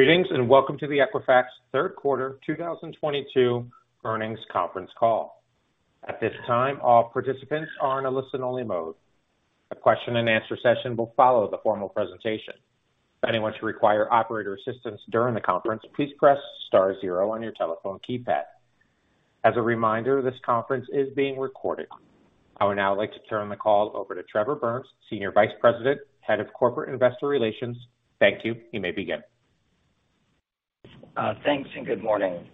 Greetings, and welcome to the Equifax third quarter 2022 earnings conference call. At this time, all participants are in a listen-only mode. A question and answer session will follow the formal presentation. If anyone should require operator assistance during the conference, please press star zero on your telephone keypad. As a reminder, this conference is being recorded. I would now like to turn the call over to Trevor Burns, Senior Vice President, Head of Corporate Investor Relations. Thank you. You may begin. Thanks, and good morning.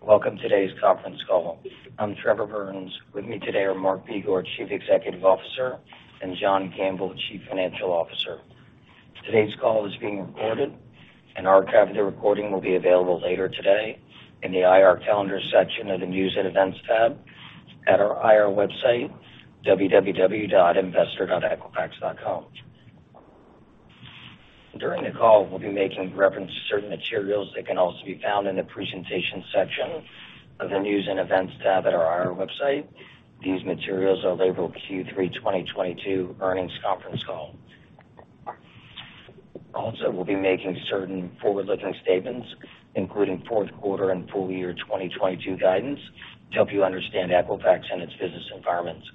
Welcome to today's conference call. I'm Trevor Burns. With me today are Mark Begor, Chief Executive Officer, and John Gamble, Chief Financial Officer. Today's call is being recorded, and our copy of the recording will be available later today in the IR Calendar section of the News and Events tab at our IR website, www.investor.equifax.com. During the call, we'll be making reference to certain materials that can also be found in the Presentation section of the News and Events tab at our IR website. These materials are labeled Q3 2022 earnings conference call. We'll be making certain forward-looking statements, including fourth quarter and full year 2022 guidance, to help you understand Equifax and its business environments.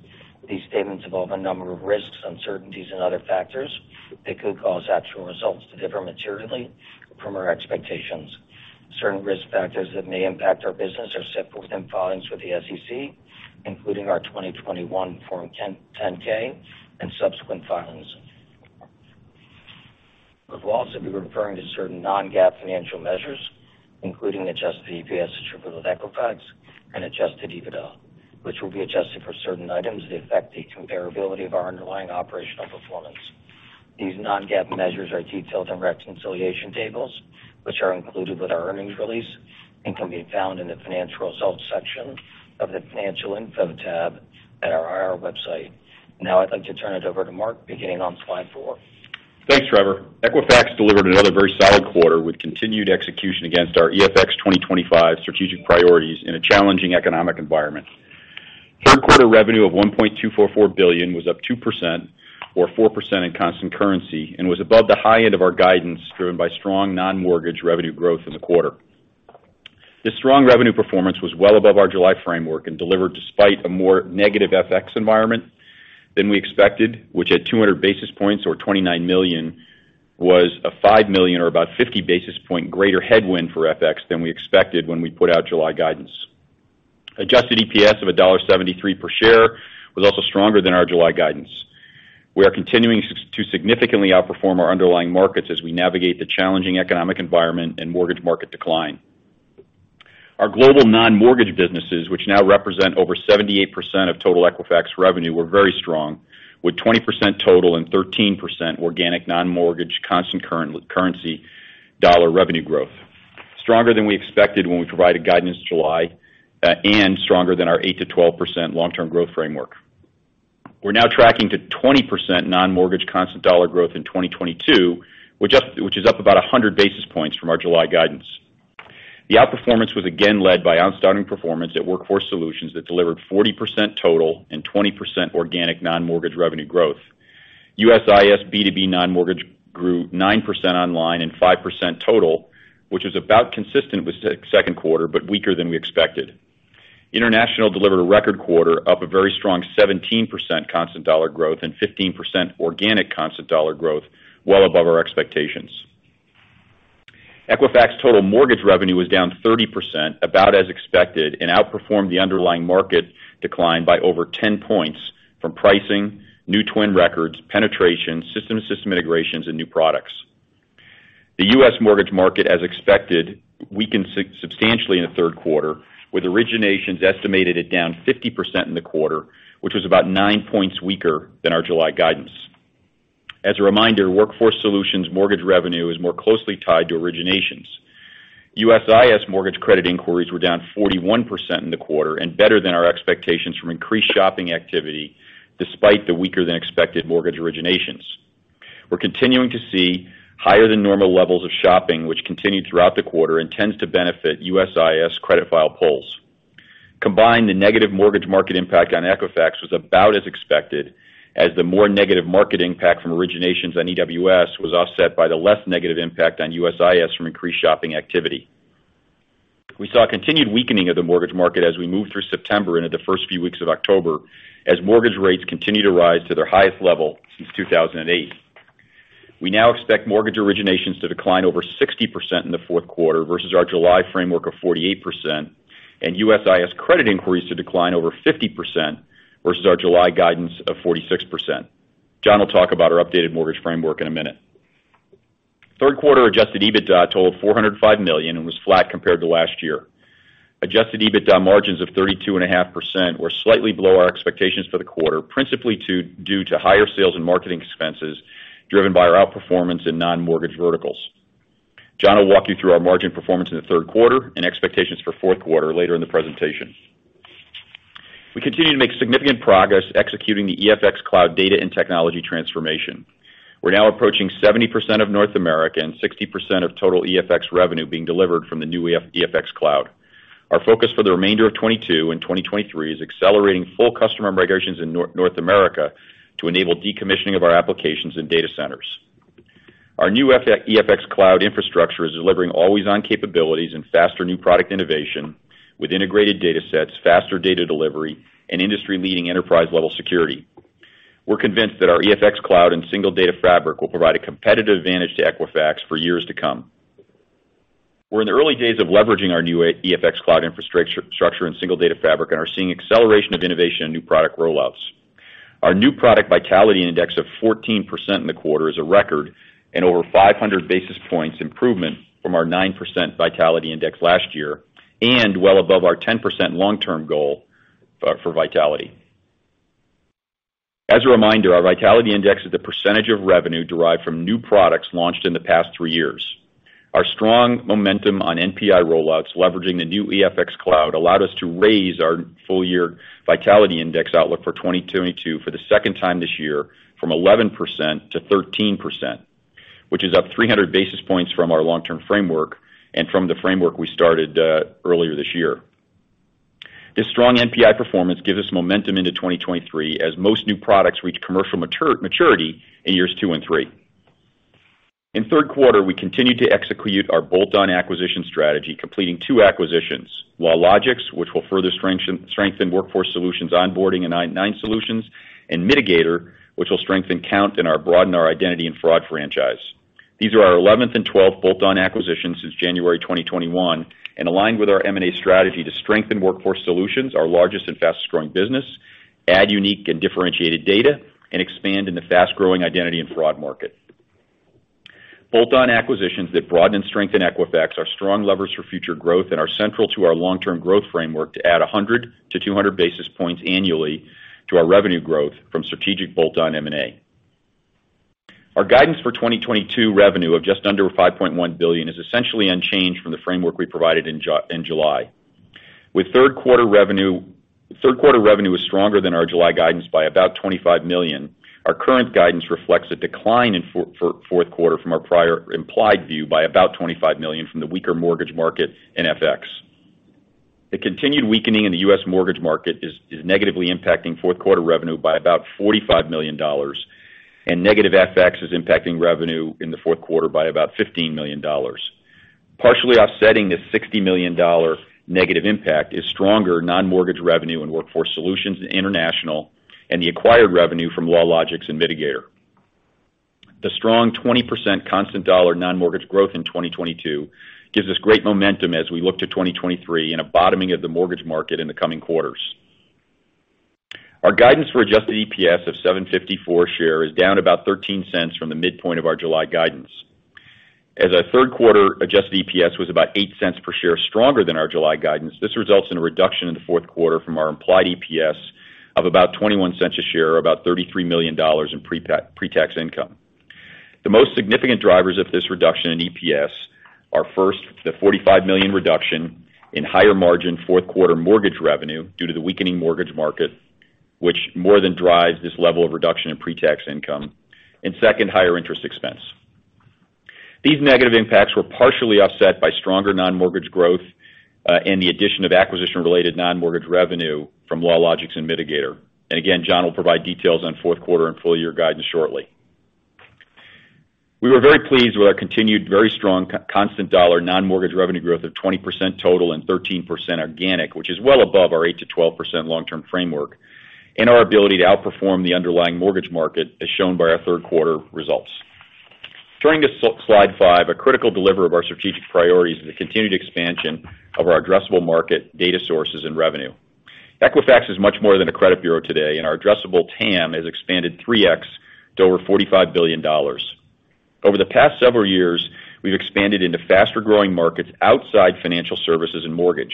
These statements involve a number of risks, uncertainties and other factors that could cause actual results to differ materially from our expectations. Certain risk factors that may impact our business are set forth in filings with the SEC, including our 2021 Form 10-K and subsequent filings. We've also been referring to certain non-GAAP financial measures, including adjusted EPS attributable to Equifax and adjusted EBITDA, which will be adjusted for certain items that affect the comparability of our underlying operational performance. These non-GAAP measures are detailed in reconciliation tables, which are included with our Earnings Release and can be found in the Financial Results section of the Financial Info tab at our IR website. Now I'd like to turn it over to Mark beginning on slide four. Thanks, Trevor. Equifax delivered another very solid quarter with continued execution against our EFX 2025 strategic priorities in a challenging economic environment. Third quarter revenue of $1.244 billion was up 2% or 4% in constant currency and was above the high end of our guidance, driven by strong Non-Mortgage revenue growth in the quarter. This strong revenue performance was well above our July framework and delivered despite a more negative FX environment than we expected, which at 200 basis points or $29 million, was a $5 million or about 50 basis points greater headwind for FX than we expected when we put out July guidance. Adjusted EPS of $1.73 per share was also stronger than our July guidance. We are continuing to significantly outperform our underlying markets as we navigate the challenging economic environment and Mortgage market decline. Our global Non-Mortgage businesses, which now represent over 78% of total Equifax revenue, were very strong with 20% total and 13% organic Non-Mortgage constant currency dollar revenue growth, stronger than we expected when we provided guidance July, and stronger than our 8%-12% long-term growth framework. We're now tracking to 20% Non-Mortgage constant dollar growth in 2022, which is up about 100 basis points from our July guidance. The outperformance was again led by outstanding performance at Workforce Solutions that delivered 40% total and 20% organic Non-Mortgage revenue growth. USIS B2B Non-Mortgage grew 9% online and 5% total, which is about consistent with second quarter, but weaker than we expected. International delivered a record quarter, up a very strong 17% constant dollar growth and 15% organic constant dollar growth, well above our expectations. Equifax total Mortgage revenue was down 30%, about as expected, and outperformed the underlying market decline by over 10 points from pricing, new TWN records, penetration, system-to-system integrations and new products. The U.S. Mortgage market, as expected, weakened substantially in the third quarter, with originations estimated at down 50% in the quarter, which was about 9 points weaker than our July guidance. As a reminder, Workforce Solutions Mortgage revenue is more closely tied to originations. USIS Mortgage credit inquiries were down 41% in the quarter and better than our expectations from increased shopping activity despite the weaker than expected Mortgage originations. We're continuing to see higher than normal levels of shopping, which continued throughout the quarter and tends to benefit USIS credit file polls. Combined, the negative Mortgage market impact on Equifax was about as expected as the more negative market impact from originations on EWS was offset by the less negative impact on USIS from increased shopping activity. We saw a continued weakening of the Mortgage market as we moved through September into the first few weeks of October, as Mortgage rates continued to rise to their highest level since 2008. We now expect Mortgage originations to decline over 60% in the fourth quarter versus our July framework of 48% and USIS credit inquiries to decline over 50% versus our July guidance of 46%. John will talk about our updated Mortgage framework in a minute. Third quarter adjusted EBITDA totaled $405 million and was flat compared to last year. Adjusted EBITDA margins of 32.5% were slightly below our expectations for the quarter, principally due to higher sales and marketing expenses driven by our outperformance in Non-Mortgage verticals. John will walk you through our margin performance in the third quarter and expectations for fourth quarter later in the presentation. We continue to make significant progress executing the EFX Cloud data and technology transformation. We're now approaching 70% of North America and 60% of total EFX revenue being delivered from the new EFX Cloud. Our focus for the remainder of 2022 and 2023 is accelerating full customer migrations in North America to enable decommissioning of our applications and data centers. Our new EFX Cloud infrastructure is delivering always-on capabilities and faster new product innovation with integrated datasets, faster data delivery, and industry-leading enterprise level security. We're convinced that our EFX Cloud and Single Data Fabric will provide a competitive advantage to Equifax for years to come. We're in the early days of leveraging our new EFX Cloud infrastructure and Single Data Fabric, and are seeing acceleration of innovation and new product rollouts. Our new product Vitality Index of 14% in the quarter is a record and over 500 basis points improvement from our 9% Vitality Index last year, and well above our 10% long-term goal for vitality. As a reminder, our Vitality Index is the percentage of revenue derived from new products launched in the past three years. Our strong momentum on NPI rollouts leveraging the new EFX Cloud allowed us to raise our full year Vitality Index outlook for 2022 for the second time this year from 11% to 13%, which is up 300 basis points from our long-term framework and from the framework we started earlier this year. This strong NPI performance gives us momentum into 2023 as most new products reach commercial maturity in years two and three. In third quarter, we continued to execute our bolt-on acquisition strategy, completing two acquisitions, LawLogix, which will further strengthen Workforce Solutions onboarding and I-9 solutions, and Midigator, which will strengthen Kount and broaden our Identity & Fraud franchise. These are our 11th and 12th bolt-on acquisitions since January 2021 and aligned with our M&A strategy to strengthen Workforce Solutions, our largest and fastest growing business, add unique and differentiated data, and expand in the fast-growing Identity & Fraud market. Bolt-on acquisitions that broaden and strengthen Equifax are strong levers for future growth and are central to our long-term growth framework to add 100-200 basis points annually to our revenue growth from strategic bolt-on M&A. Our guidance for 2022 revenue of just under $5.1 billion is essentially unchanged from the framework we provided in July. With third quarter revenue is stronger than our July guidance by about $25 million. Our current guidance reflects a decline in fourth quarter from our prior implied view by about $25 million from the weaker Mortgage market in EFX. The continued weakening in the U.S. Mortgage market is negatively impacting fourth quarter revenue by about $45 million, and negative FX is impacting revenue in the fourth quarter by about $15 million. Partially offsetting this $60 million negative impact is stronger Non-Mortgage revenue in Workforce Solutions and International, and the acquired revenue from LawLogix and Midigator. The strong 20% constant dollar Non-Mortgage growth in 2022 gives us great momentum as we look to 2023 and a bottoming of the Mortgage market in the coming quarters. Our guidance for adjusted EPS of $7.54 share is down about $0.13 from the midpoint of our July guidance. As our third quarter adjusted EPS was about $0.08 per share stronger than our July guidance, this results in a reduction in the fourth quarter from our implied EPS of about 21 cents a share or about $33 million in pre-tax income. The most significant drivers of this reduction in EPS are first, the $45 million reduction in higher margin fourth quarter Mortgage revenue due to the weakening Mortgage market, which more than drives this level of reduction in pre-tax income, and second, higher interest expense. These negative impacts were partially offset by stronger Non-Mortgage growth, and the addition of acquisition-related Non-Mortgage revenue from LawLogix and Midigator. Again, John will provide details on fourth quarter and full year guidance shortly. We were very pleased with our continued very strong constant dollar Non-Mortgage revenue growth of 20% total and 13% organic, which is well above our 8%-12% long-term framework, and our ability to outperform the underlying Mortgage market as shown by our third quarter results. Turning to slide five, a critical deliverable of our strategic priorities is the continued expansion of our addressable market, data sources, and revenue. Equifax is much more than a credit bureau today, and our addressable TAM has expanded 3x to over $45 billion. Over the past several years, we've expanded into faster-growing markets outside financial services and Mortgage.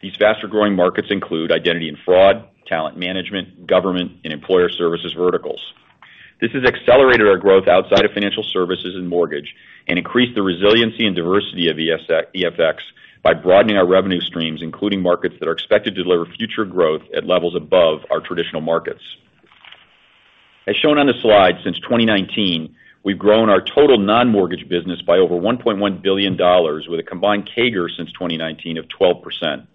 These faster-growing markets include Identity & Fraud, talent management, government, and employer services verticals. This has accelerated our growth outside of financial services and Mortgage and increased the resiliency and diversity of EFX by broadening our revenue streams, including markets that are expected to deliver future growth at levels above our traditional markets. As shown on this slide, since 2019, we've grown our total Non-Mortgage business by over $1.1 billion with a combined CAGR since 2019 of 12%,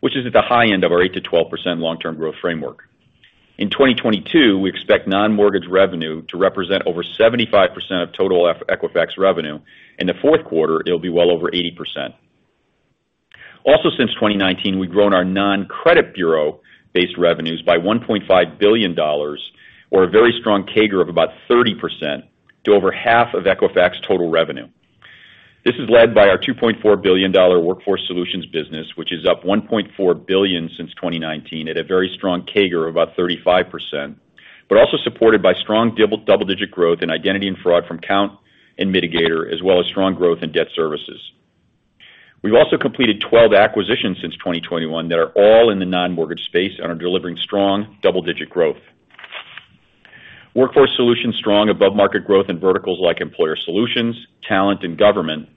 which is at the high end of our 8%-12% long-term growth framework. In 2022, we expect Non-Mortgage revenue to represent over 75% of total Equifax revenue. In the fourth quarter, it'll be well over 80%. Also since 2019, we've grown our non-credit bureau-based revenues by $1.5 billion or a very strong CAGR of about 30% to over half of Equifax's total revenue. This is led by our $2.4 billion Workforce Solutions business, which is up $1.4 billion since 2019 at a very strong CAGR of about 35%, but also supported by strong double-digit growth in Identity & Fraud from Kount and Midigator, as well as strong growth in debt services. We've also completed 12 acquisitions since 2021 that are all in the Non-Mortgage space and are delivering strong double-digit growth. Workforce Solutions strong above-market growth in verticals like employer solutions, talent, and government,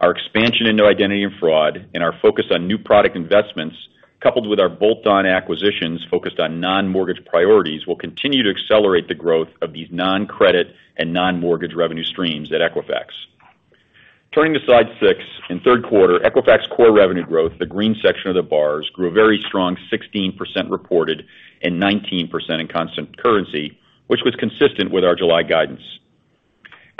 our expansion into Identity & Fraud, and our focus on new product investments. Coupled with our bolt-on acquisitions focused on Non-Mortgage priorities will continue to accelerate the growth of these non-credit and Non-Mortgage revenue streams at Equifax. Turning to slide six, in third quarter, Equifax core revenue growth, the green section of the bars, grew a very strong 16% reported and 19% in constant currency, which was consistent with our July guidance.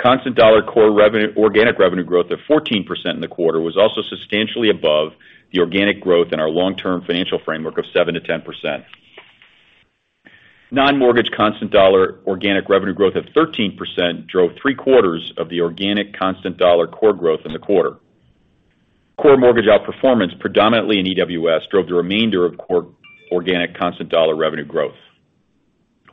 Constant dollar core revenue, organic revenue growth of 14% in the quarter was also substantially above the organic growth in our long-term financial framework of 7%-10%. Non-Mortgage constant dollar organic revenue growth of 13% drove three-quarters of the organic constant dollar core growth in the quarter. Core Mortgage outperformance, predominantly in EWS, drove the remainder of core organic constant dollar revenue growth.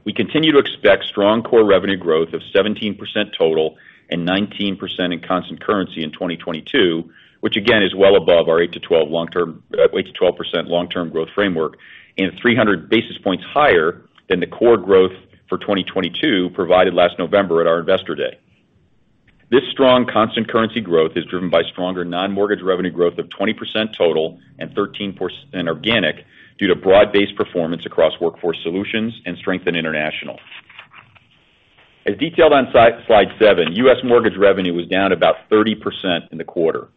We continue to expect strong core revenue growth of 17% total and 19% in constant currency in 2022, which again is well above our 8%-12% long-term growth framework and 300 basis points higher than the core growth for 2022 provided last November at our Investor Day. This strong constant currency growth is driven by stronger Non-Mortgage revenue growth of 20% total and 13% organic due to broad-based performance across Workforce Solutions and strength in International. As detailed on slide seven, U.S. Mortgage revenue was down about 30% in the quarter.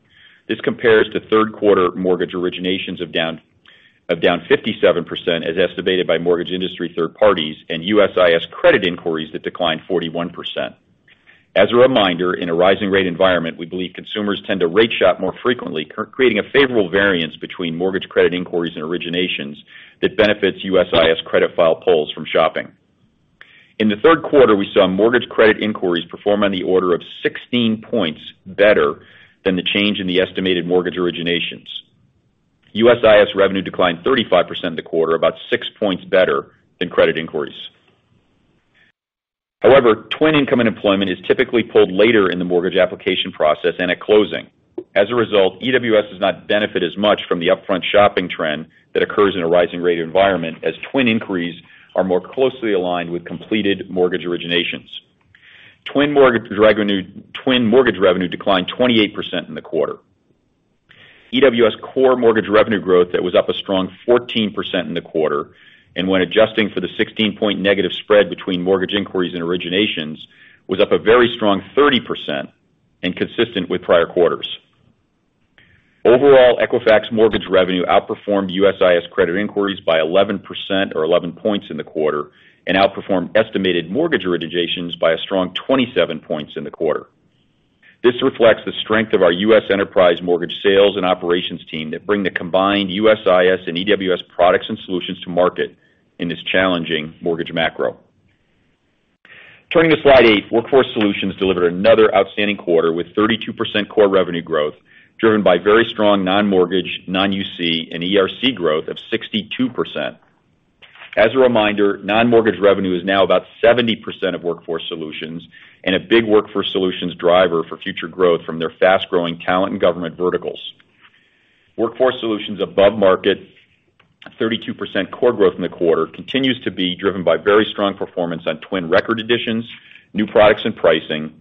This compares to third quarter Mortgage originations down 57% as estimated by Mortgage industry third parties and USIS credit inquiries that declined 41%. As a reminder, in a rising rate environment, we believe consumers tend to rate shop more frequently, creating a favorable variance between Mortgage credit inquiries and originations that benefits USIS credit file pulls from shopping. In the third quarter, we saw Mortgage credit inquiries perform on the order of 16 points better than the change in the estimated Mortgage originations. USIS revenue declined 35% in the quarter, about 6 points better than credit inquiries. However, TWN income and employment is typically pulled later in the Mortgage application process and at closing. As a result, EWS does not benefit as much from the upfront shopping trend that occurs in a rising rate environment as TWN inquiries are more closely aligned with completed Mortgage originations. TWN Mortgage revenue declined 28% in the quarter. EWS core Mortgage revenue growth that was up a strong 14% in the quarter, and when adjusting for the 16-point negative spread between Mortgage inquiries and originations, was up a very strong 30% and consistent with prior quarters. Overall, Equifax Mortgage revenue outperformed USIS credit inquiries by 11% or 11 points in the quarter, and outperformed estimated Mortgage originations by a strong 27 points in the quarter. This reflects the strength of our U.S. enterprise Mortgage sales and operations team that bring the combined USIS and EWS products and solutions to market in this challenging Mortgage macro. Turning to slide eight, Workforce Solutions delivered another outstanding quarter with 32% core revenue growth, driven by very strong Non-Mortgage, non-UC and ERC growth of 62%. As a reminder, Non-Mortgage revenue is now about 70% of Workforce Solutions and a big Workforce Solutions driver for future growth from their fast-growing talent and government verticals. Workforce Solutions above market 32% core growth in the quarter continues to be driven by very strong performance on TWN record additions, new products and pricing,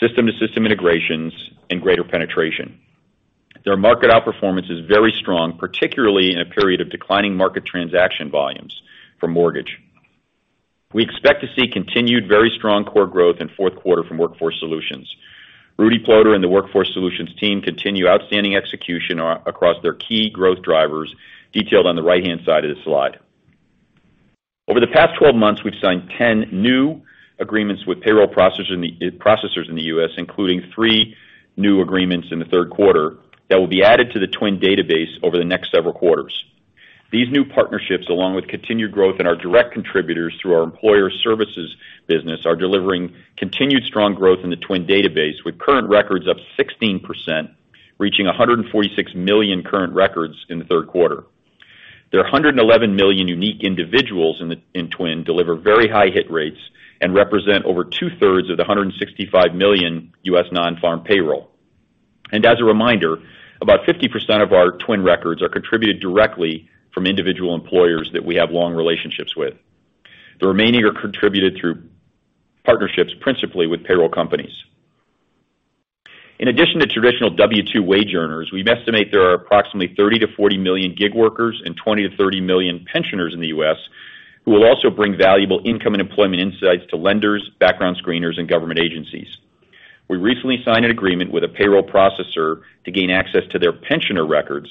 system-to-system integrations, and greater penetration. Their market outperformance is very strong, particularly in a period of declining market transaction volumes for Mortgage. We expect to see continued very strong core growth in fourth quarter from Workforce Solutions. Rudy Ploder and the Workforce Solutions team continue outstanding execution across their key growth drivers detailed on the right-hand side of the slide. Over the past 12 months, we've signed 10 new agreements with payroll processors in the U.S., including three new agreements in the third quarter that will be added to the TWN database over the next several quarters. These new partnerships, along with continued growth in our direct contributors through our employer services business, are delivering continued strong growth in the TWN database, with current records up 16%, reaching 146 million current records in the third quarter. There are 111 million unique individuals in TWN deliver very high hit rates and represent over two-thirds of the 165 million U.S. non-farm payroll. As a reminder, about 50% of our TWN records are contributed directly from individual employers that we have long relationships with. The remaining are contributed through partnerships principally with payroll companies. In addition to traditional W-2 wage earners, we estimate there are approximately 30 million-40 million gig workers and 20 million-30 million pensioners in the U.S. who will also bring valuable income and employment insights to lenders, background screeners, and government agencies. We recently signed an agreement with a payroll processor to gain access to their pensioner records,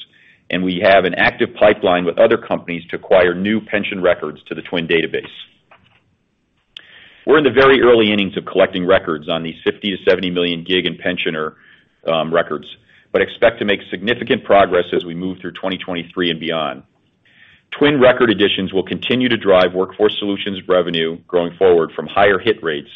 and we have an active pipeline with other companies to acquire new pension records to the TWN database. We're in the very early innings of collecting records on these 50 million-70 million gig and pensioner records, but expect to make significant progress as we move through 2023 and beyond. TWN record additions will continue to drive Workforce Solutions revenue growing forward from higher hit rates,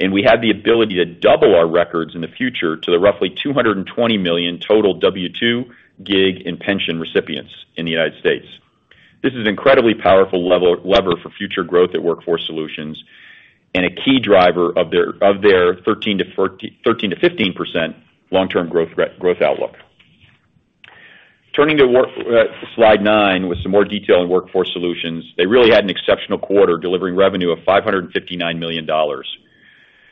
and we have the ability to double our records in the future to the roughly 220 million total W-2, gig, and pension recipients in the United States. This is incredibly powerful lever for future growth at Workforce Solutions and a key driver of their 13%-15% long-term growth outlook. Turning to slide nine with some more detail on Workforce Solutions, they really had an exceptional quarter, delivering revenue of $559 million.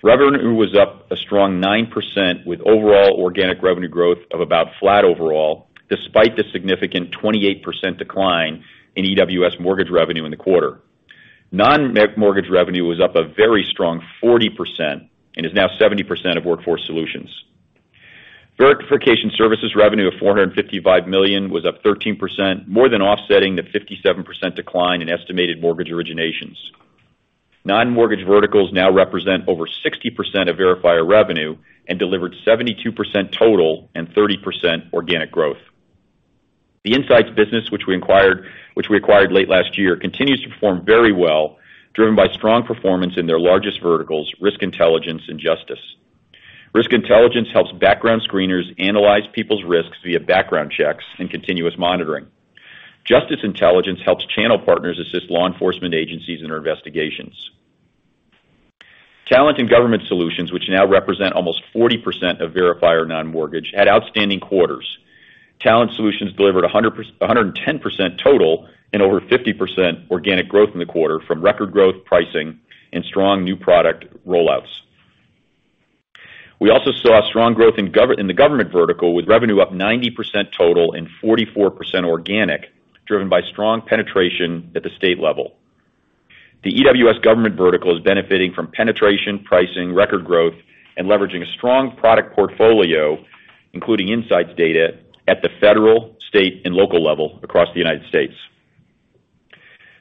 Revenue was up a strong 9% with overall organic revenue growth of about flat overall, despite the significant 28% decline in EWS Mortgage revenue in the quarter. Non-Mortgage revenue was up a very strong 40% and is now 70% of Workforce Solutions. Verification services revenue of $455 million was up 13%, more than offsetting the 57% decline in estimated Mortgage originations. Non-Mortgage verticals now represent over 60% of Verifier revenue and delivered 72% total and 30% organic growth. The Insights business, which we acquired late last year, continues to perform very well, driven by strong performance in their largest verticals, risk intelligence and justice. Risk intelligence helps background screeners analyze people's risks via background checks and continuous monitoring. Justice intelligence helps channel partners assist law enforcement agencies in their investigations. Talent and Government Solutions, which now represent almost 40% of Verifier Non-Mortgage, had outstanding quarters. Talent Solutions delivered 110% total and over 50% organic growth in the quarter from record growth pricing and strong new product rollouts. We also saw strong growth in the government vertical, with revenue up 90% total and 44% organic, driven by strong penetration at the state level. The EWS government vertical is benefiting from penetration, pricing, record growth, and leveraging a strong product portfolio, including insights data at the federal, state, and local level across the United States.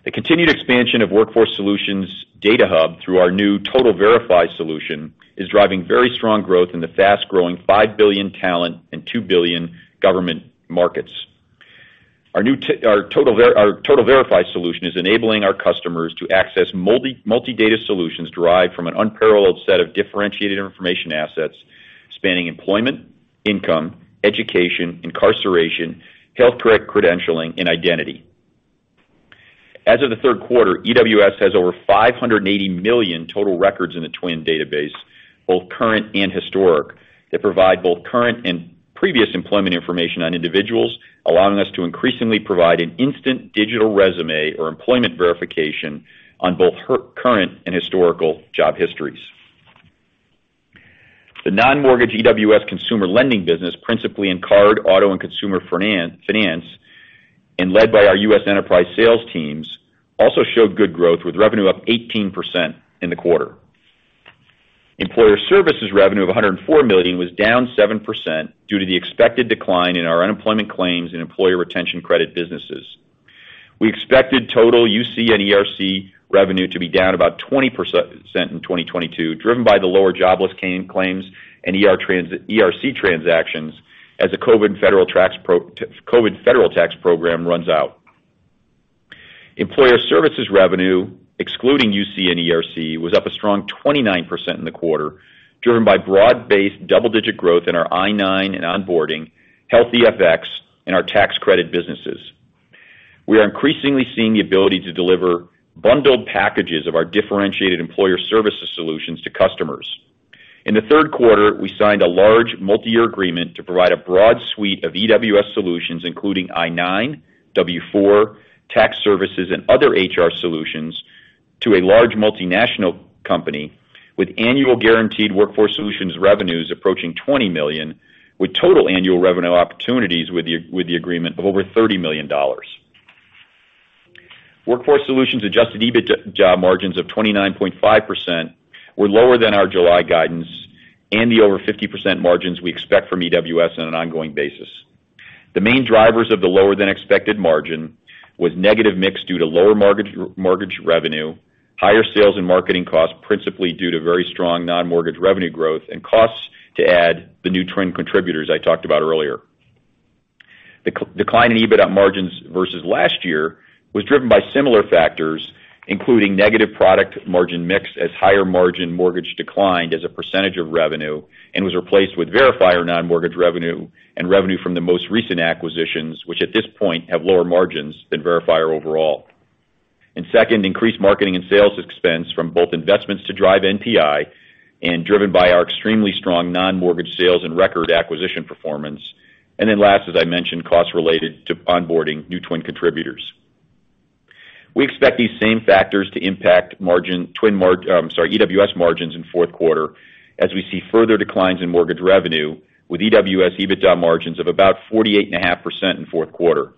The continued expansion of Workforce Solutions data hub through our new TotalVerify solution is driving very strong growth in the fast-growing $5 billion talent and $2 billion government markets. Our new TotalVerify solution is enabling our customers to access multi-data solutions derived from an unparalleled set of differentiated information assets spanning employment, income, education, incarceration, health care credentialing, and identity. As of the third quarter, EWS has over 580 million total records in the TWN database, both current and historic, that provide both current and previous employment information on individuals, allowing us to increasingly provide an instant digital resume or employment verification on both current and historical job histories. The Non-Mortgage EWS consumer lending business, principally in card, auto, and consumer finance, and led by our U.S. enterprise sales teams, also showed good growth, with revenue up 18% in the quarter. Employer services revenue of $104 million was down 7% due to the expected decline in our unemployment claims and employee retention credit businesses. We expected total UC and ERC revenue to be down about 20% in 2022, driven by the lower jobless claims and ERC transactions as the COVID Federal Tax Program runs out. Employer services revenue, excluding UC and ERC, was up a strong 29% in the quarter, driven by broad-based double-digit growth in our I-9 and onboarding, Health EFX, and our tax credit businesses. We are increasingly seeing the ability to deliver bundled packages of our differentiated employer services solutions to customers. In the third quarter, we signed a large multiyear agreement to provide a broad suite of EWS solutions, including I-9, W-4, tax services, and other HR solutions to a large multinational company with annual guaranteed Workforce Solutions revenues approaching $20 million, with total annual revenue opportunities with the agreement of over $30 million. Workforce Solutions adjusted EBITDA margins of 29.5% were lower than our July guidance and the over 50% margins we expect from EWS on an ongoing basis. The main drivers of the lower than expected margin was negative mix due to lower Mortgage revenue, higher sales and marketing costs, principally due to very strong Non-Mortgage revenue growth and costs to add the new TWN contributors I talked about earlier. The decline in EBITDA margins versus last year was driven by similar factors, including negative product margin mix as higher margin Mortgage declined as a percentage of revenue and was replaced with Verifier Non-Mortgage revenue and revenue from the most recent acquisitions, which at this point have lower margins than Verifier overall. Second, increased marketing and sales expense from both investments to drive NPI and driven by our extremely strong Non-Mortgage sales and record acquisition performance. Then last, as I mentioned, costs related to onboarding new TWN contributors. We expect these same factors to impact margin, EWS margins in fourth quarter as we see further declines in Mortgage revenue with EWS-EBITDA margins of about 48.5% in fourth quarter.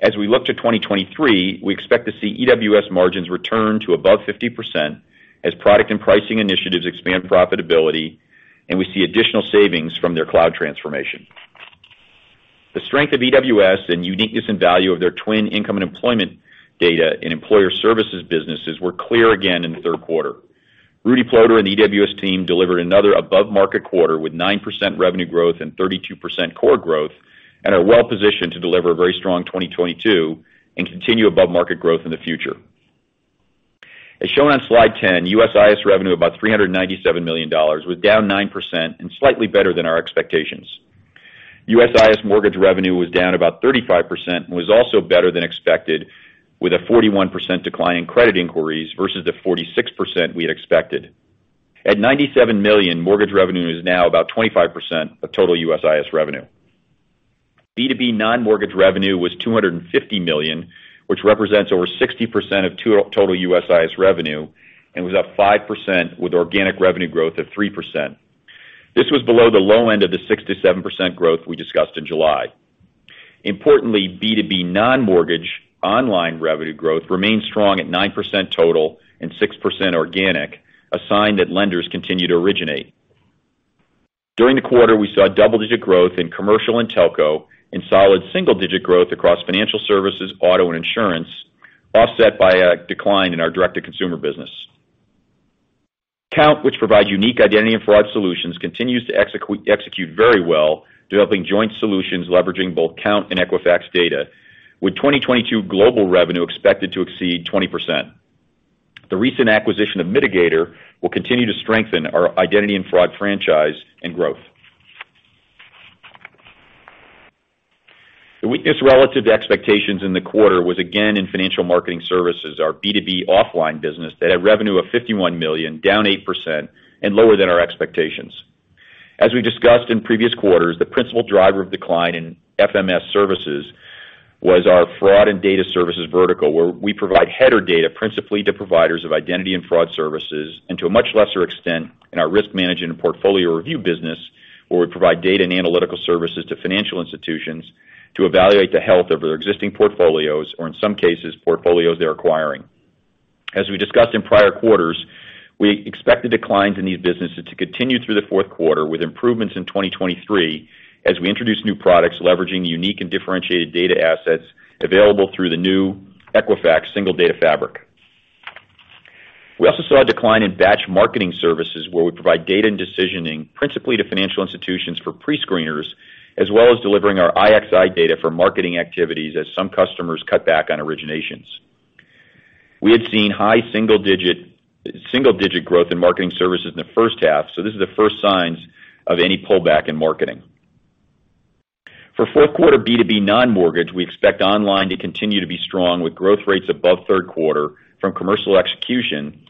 As we look to 2023, we expect to see EWS margins return to above 50% as product and pricing initiatives expand profitability, and we see additional savings from their Cloud transformation. The strength of EWS and uniqueness and value of their TWN income and employment data and employer services businesses were clear again in the third quarter. Rudy Ploder and the EWS team delivered another above market quarter with 9% revenue growth and 32% core growth and are well positioned to deliver a very strong 2022 and continue above market growth in the future. As shown on slide 10, USIS revenue about $397 million, was down 9% and slightly better than our expectations. USIS Mortgage revenue was down about 35% and was also better than expected, with a 41% decline in credit inquiries versus the 46% we had expected. At $97 million, Mortgage revenue is now about 25% of total USIS revenue. B2B Non-Mortgage revenue was $250 million, which represents over 60% of total USIS revenue and was up 5% with organic revenue growth of 3%. This was below the low end of the 6%-7% growth we discussed in July. Importantly, B2B Non-Mortgage online revenue growth remains strong at 9% total and 6% organic, a sign that lenders continue to originate. During the quarter, we saw double-digit growth in commercial and telco and solid single-digit growth across financial services, auto, and insurance, offset by a decline in our direct-to-consumer business. Kount, which provide unique Identity & Fraud solutions, continues to execute very well, developing joint solutions leveraging both Kount and Equifax data, with 2022 global revenue expected to exceed 20%. The recent acquisition of Midigator will continue to strengthen our Identity & Fraud franchise and growth. The weakness relative to expectations in the quarter was again in financial marketing services, our B2B offline business that had revenue of $51 million, down 8% and lower than our expectations. As we discussed in previous quarters, the principal driver of decline in FMS services was our fraud and data services vertical, where we provide header data principally to providers of Identity & Fraud Services, and to a much lesser extent in our risk management and portfolio review business, where we provide data and analytical services to financial institutions to evaluate the health of their existing portfolios or in some cases, portfolios they're acquiring. As we discussed in prior quarters, we expect the declines in these businesses to continue through the fourth quarter with improvements in 2023 as we introduce new products leveraging unique and differentiated data assets available through the new Equifax Single Data Fabric. We also saw a decline in batch marketing services, where we provide data and decisioning principally to financial institutions for pre-screeners, as well as delivering our IXI data for marketing activities as some customers cut back on originations. We had seen high single digit growth in marketing services in the first half, so this is the first signs of any pullback in marketing. For fourth quarter B2B Non-Mortgage, we expect online to continue to be strong, with growth rates above third quarter from commercial execution,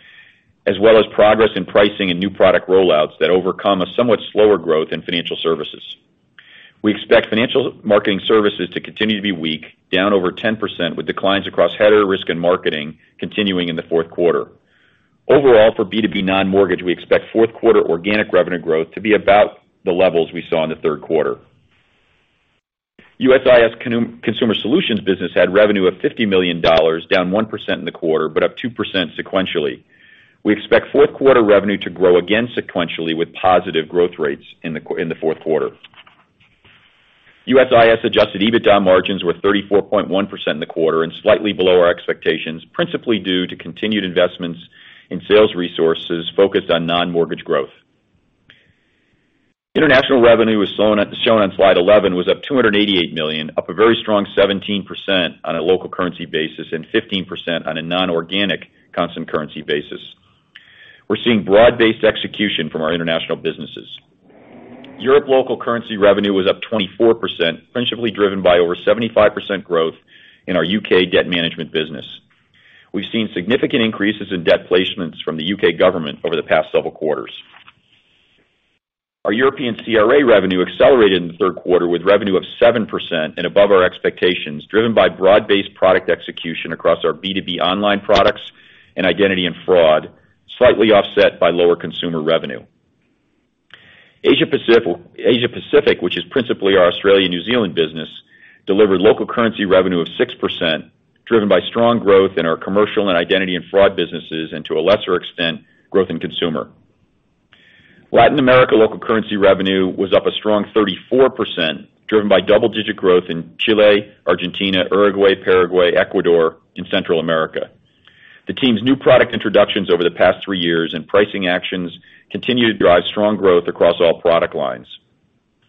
as well as progress in pricing and new product rollouts that overcome a somewhat slower growth in financial services. We expect financial marketing services to continue to be weak, down over 10%, with declines across header risk and marketing continuing in the fourth quarter. Overall, for B2B Non-Mortgage, we expect fourth quarter organic revenue growth to be about the levels we saw in the third quarter. USIS Consumer Solutions business had revenue of $50 million, down 1% in the quarter, but up 2% sequentially. We expect fourth quarter revenue to grow again sequentially, with positive growth rates in the fourth quarter. USIS adjusted EBITDA margins were 34.1% in the quarter and slightly below our expectations, principally due to continued investments in sales resources focused on Non-Mortgage growth. International revenue was shown on slide 11 was up $288 million, up a very strong 17% on a local currency basis and 15% on a non-organic constant currency basis. We're seeing broad-based execution from our International businesses. Europe local currency revenue was up 24%, principally driven by over 75% growth in our U.K. debt management business. We've seen significant increases in debt placements from the U.K government over the past several quarters. Our European CRA revenue accelerated in the third quarter, with revenue of 7% and above our expectations, driven by broad-based product execution across our B2B online products and Identity & Fraud, slightly offset by lower consumer revenue. Asia Pacific, which is principally our Australia/New Zealand business, delivered local currency revenue of 6%, driven by strong growth in our commercial and Identity & Fraud businesses and to a lesser extent, growth in consumer. Latin America local currency revenue was up a strong 34%, driven by double-digit growth in Chile, Argentina, Uruguay, Paraguay, Ecuador, and Central America. The team's new product introductions over the past three years and pricing actions continue to drive strong growth across all product lines.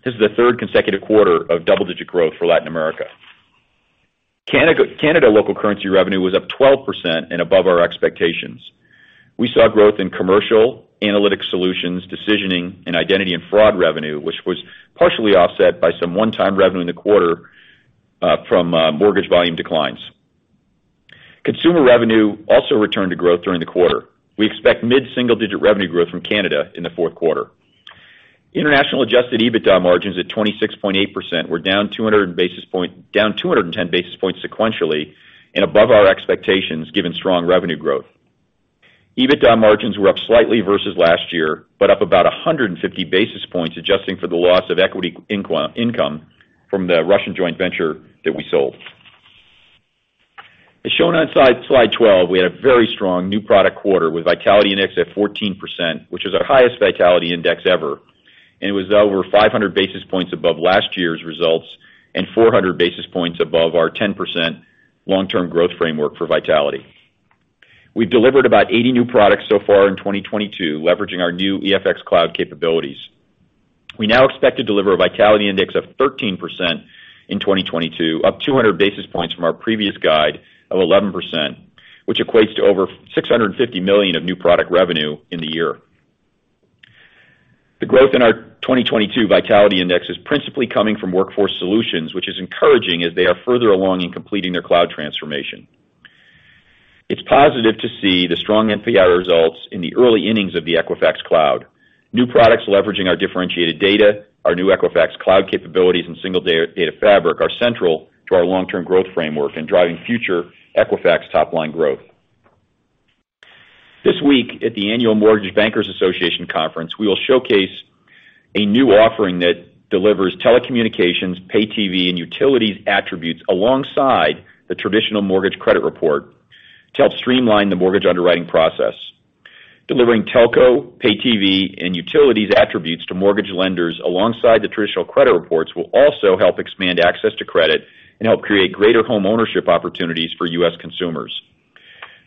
This is the third consecutive quarter of double-digit growth for Latin America. Canada local currency revenue was up 12% and above our expectations. We saw growth in Commercial, Analytic and Decisioning Solutions, and Identity & Fraud revenue, which was partially offset by some one-time revenue in the quarter from Mortgage volume declines. Consumer revenue also returned to growth during the quarter. We expect mid-single-digit revenue growth from Canada in the fourth quarter. International adjusted EBITDA margins at 26.8% were down 210 basis points sequentially and above our expectations, given strong revenue growth. EBITDA margins were up slightly versus last year, but up about 150 basis points adjusting for the loss of equity income from the Russian joint venture that we sold. As shown on slide 12, we had a very strong new product quarter with Vitality Index at 14%, which is our highest Vitality Index ever, and it was over 500 basis points above last year's results and 400 basis points above our 10% long-term growth framework for Vitality. We've delivered about 80 new products so far in 2022, leveraging our new EFX Cloud capabilities. We now expect to deliver a Vitality Index of 13% in 2022, up 200 basis points from our previous guide of 11%, which equates to over $650 million of new product revenue in the year. The growth in our 2022 Vitality Index is principally coming from Workforce Solutions, which is encouraging as they are further along in completing their Cloud transformation. It's positive to see the strong NPI results in the early innings of the Equifax Cloud. New products leveraging our differentiated data, our new Equifax Cloud capabilities, and Single Data Fabric are central to our long-term growth framework and driving future Equifax top line growth. This week at the Annual Mortgage Bankers Association Conference, we will showcase a new offering that delivers Telecommunications, Pay TV, and Utilities attributes alongside the traditional Mortgage credit report to help streamline the Mortgage underwriting process. Delivering Telco, Pay TV, and Utilities attributes to Mortgage lenders alongside the traditional credit reports will also help expand access to credit and help create greater homeownership opportunities for U.S. consumers.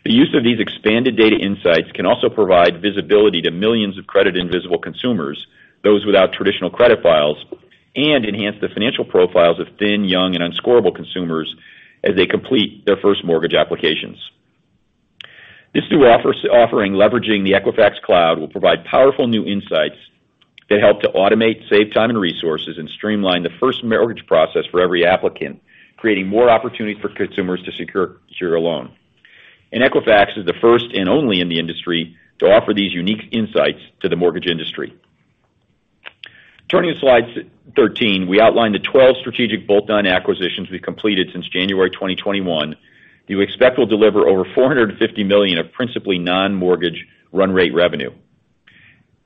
The use of these expanded data insights can also provide visibility to millions of credit invisible consumers, those without traditional credit files, and enhance the financial profiles of thin, young and unscorable consumers as they complete their first Mortgage applications. This new offering leveraging the Equifax Cloud will provide powerful new insights that help to automate, save time and resources, and streamline the first Mortgage process for every applicant, creating more opportunity for consumers to secure a loan. Equifax is the first and only in the industry to offer these unique insights to the Mortgage industry. Turning to slide 13, we outlined the 12 strategic bolt-on acquisitions we've completed since January 2021 we expect will deliver over $450 million of principally Non-Mortgage run rate revenue.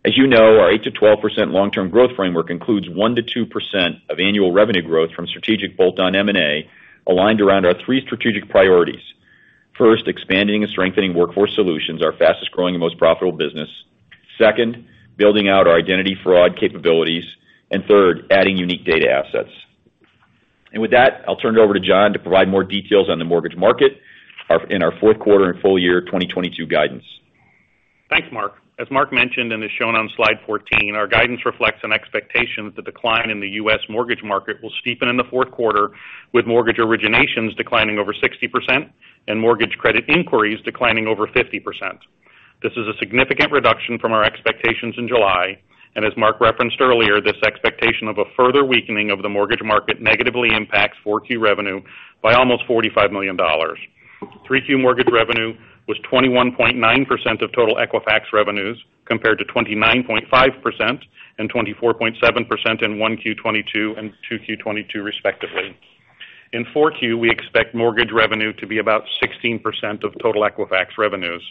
As you know, our 8%-12% long-term growth framework includes 1%-2% of annual revenue growth from strategic bolt-on M&A aligned around our three strategic priorities. First, expanding and strengthening Workforce Solutions, our fastest growing and most profitable business. Second, building out our Identity & Fraud capabilities. Third, adding unique data assets. With that, I'll turn it over to John to provide more details on the Mortgage market, in our fourth quarter and full year 2022 guidance. Thanks, Mark. As Mark mentioned, and is shown on slide 14, our guidance reflects an expectation that the decline in the U.S. Mortgage market will steepen in the fourth quarter, with Mortgage originations declining over 60% and Mortgage credit inquiries declining over 50%. This is a significant reduction from our expectations in July, and as Mark referenced earlier, this expectation of a further weakening of the Mortgage market negatively impacts 4Q revenue by almost $45 million. 3Q Mortgage revenue was 21.9% of total Equifax revenues, compared to 29.5% and 24.7% in 1Q 2022 and 2Q 2022 respectively. In 4Q, we expect Mortgage revenue to be about 16% of total Equifax revenues.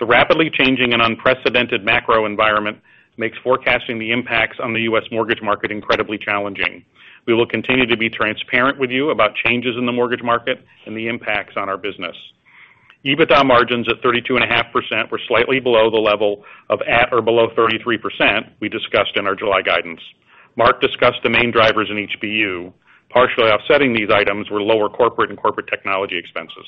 The rapidly changing and unprecedented macro environment makes forecasting the impacts on the U.S. Mortgage market incredibly challenging. We will continue to be transparent with you about changes in the Mortgage market and the impacts on our business. EBITDA margins at 32.5% were slightly below the level of at or below 33% we discussed in our July guidance. Mark discussed the main drivers in each BU. Partially offsetting these items were lower corporate and corporate technology expenses.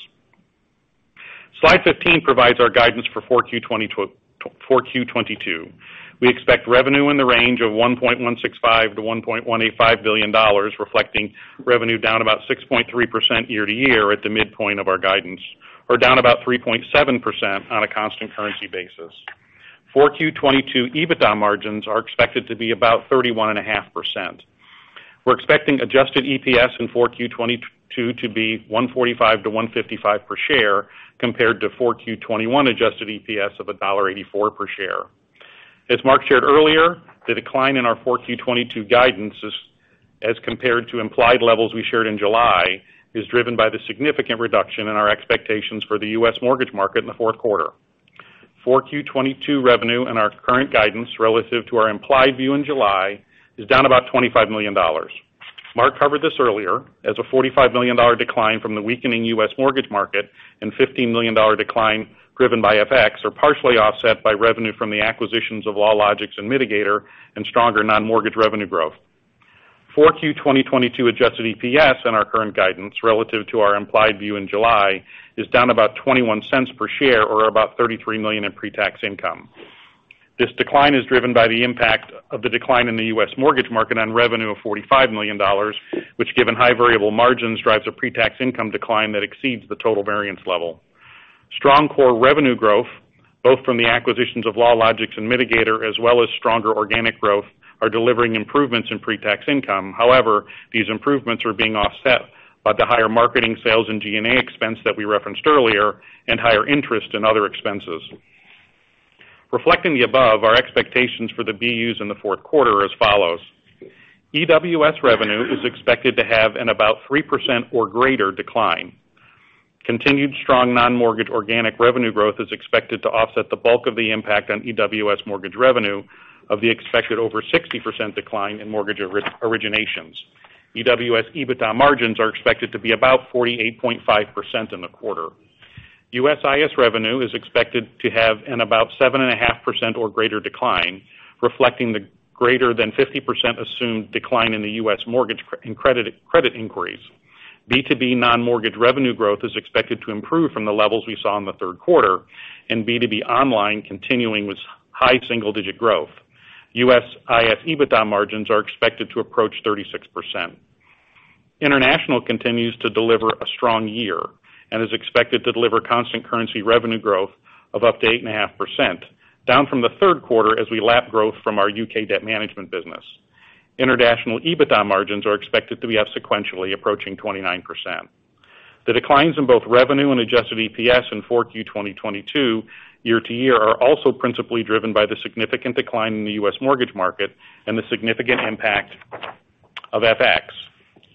Slide 15 provides our guidance for 4Q 2022. We expect revenue in the range of $1.165 billion-$1.185 billion, reflecting revenue down about 6.3% year-over-year at the midpoint of our guidance, or down about 3.7% on a constant currency basis. 4Q 2022 EBITDA margins are expected to be about 31.5%. We're expecting adjusted EPS in Q4 2022 to be $1.45-$1.55 per share, compared to Q4 2021 adjusted EPS of $1.84 per share. As Mark shared earlier, the decline in our Q4 2022 guidance is, as compared to implied levels we shared in July, driven by the significant reduction in our expectations for the U.S. Mortgage market in the fourth quarter. Q4 2022 revenue in our current guidance relative to our implied view in July is down about $25 million. Mark covered this earlier as a $45 million decline from the weakening U.S. Mortgage market and $15 million decline driven by FX, partially offset by revenue from the acquisitions of LawLogix and Midigator and stronger Non-Mortgage revenue growth. 4Q 2022 adjusted EPS in our current guidance relative to our implied view in July is down about $0.21 per share or about $33 million in pre-tax income. This decline is driven by the impact of the decline in the U.S. Mortgage market on revenue of $45 million, which given high variable margins, drives a pre-tax income decline that exceeds the total variance level. Strong core revenue growth, both from the acquisitions of LawLogix and Midigator as well as stronger organic growth, are delivering improvements in pre-tax income. However, these improvements are being offset by the higher marketing sales and G&A expense that we referenced earlier and higher interest in other expenses. Reflecting the above, our expectations for the BUs in the fourth quarter are as follows: EWS revenue is expected to have about 3% or greater decline. Continued strong Non-Mortgage organic revenue growth is expected to offset the bulk of the impact on EWS Mortgage revenue of the expected over 60% decline in Mortgage originations. EWS EBITDA margins are expected to be about 48.5% in the quarter. USIS revenue is expected to have an about 7.5% or greater decline, reflecting the greater than 50% assumed decline in the U.S. Mortgage credit inquiries. B2B Non-Mortgage revenue growth is expected to improve from the levels we saw in the third quarter and B2B online continuing with high single-digit growth. USIS EBITDA margins are expected to approach 36%. International continues to deliver a strong year and is expected to deliver constant currency revenue growth of up to 8.5%, down from the third quarter as we lap growth from our U.K. debt management business. International EBITDA margins are expected to be up sequentially approaching 29%. The declines in both revenue and adjusted EPS in 4Q 2022 year-to-year are also principally driven by the significant decline in the U.S. Mortgage market and the significant impact of FX.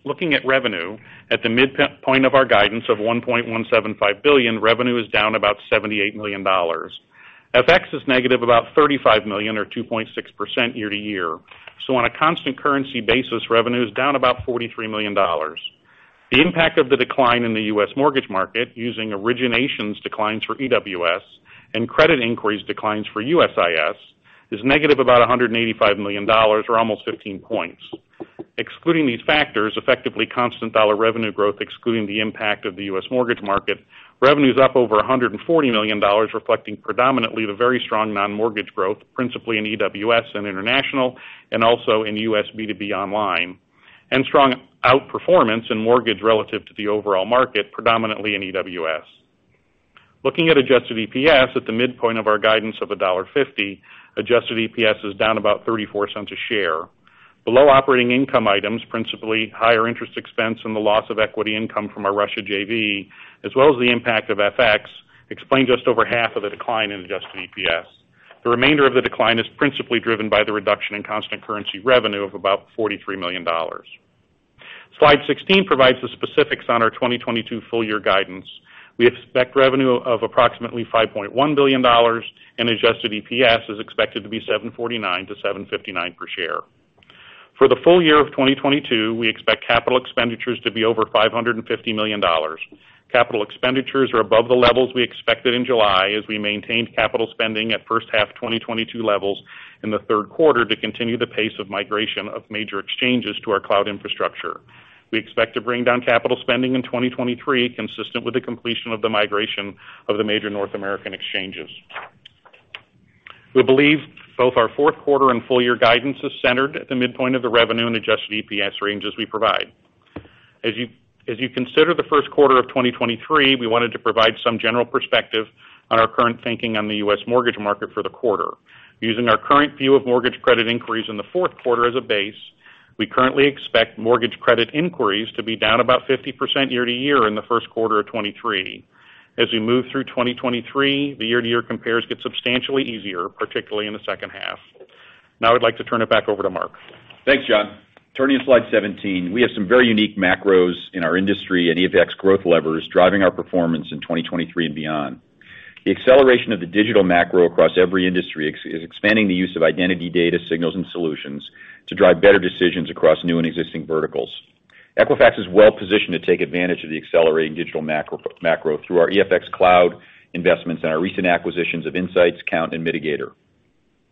Looking at revenue at the midpoint of our guidance of $1.175 billion, revenue is down about $78 million. FX is negative about $35 million or 2.6% year to year. On a constant currency basis, revenue is down about $43 million. The impact of the decline in the U.S. Mortgage market using originations declines for EWS and credit inquiries declines for USIS is negative about $185 million or almost 15 points. Excluding these factors, effectively constant dollar revenue growth excluding the impact of the U.S. Mortgage market, revenue is up over $140 million, reflecting predominantly the very strong Non-Mortgage growth, principally in EWS and International and also in U.S. B2B online, and strong outperformance in Mortgage relative to the overall market, predominantly in EWS. Looking at adjusted EPS at the midpoint of our guidance of $1.50, adjusted EPS is down about $0.34 a share. Below operating income items, principally higher interest expense and the loss of equity income from our Russia JV, as well as the impact of FX, explain just over half of the decline in adjusted EPS. The remainder of the decline is principally driven by the reduction in constant currency revenue of about $43 million. Slide 16 provides the specifics on our 2022 full year guidance. We expect revenue of approximately $5.1 billion and adjusted EPS is expected to be $7.49-$7.59 per share. For the full year of 2022, we expect capital expenditures to be over $550 million. Capital expenditures are above the levels we expected in July as we maintained capital spending at first half 2022 levels in the third quarter to continue the pace of migration of major exchanges to our Cloud infrastructure. We expect to bring down capital spending in 2023, consistent with the completion of the migration of the major North American exchanges. We believe both our fourth quarter and full year guidance is centered at the midpoint of the revenue and adjusted EPS ranges we provide. As you consider the first quarter of 2023, we wanted to provide some general perspective on our current thinking on the U.S. Mortgage market for the quarter. Using our current view of Mortgage credit inquiries in the fourth quarter as a base, we currently expect Mortgage credit inquiries to be down about 50% year-to-year in the first quarter of 2023. As we move through 2023, the year-to-year compares get substantially easier, particularly in the second half. Now, I'd like to turn it back over to Mark. Thanks, John. Turning to slide 17. We have some very unique macros in our industry and EFX growth levers driving our performance in 2023 and beyond. The acceleration of the digital macro across every industry is expanding the use of identity data, signals and solutions to drive better decisions across new and existing verticals. Equifax is well positioned to take advantage of the accelerating digital macro through our EFX Cloud investments and our recent acquisitions of Insights, Kount and Midigator.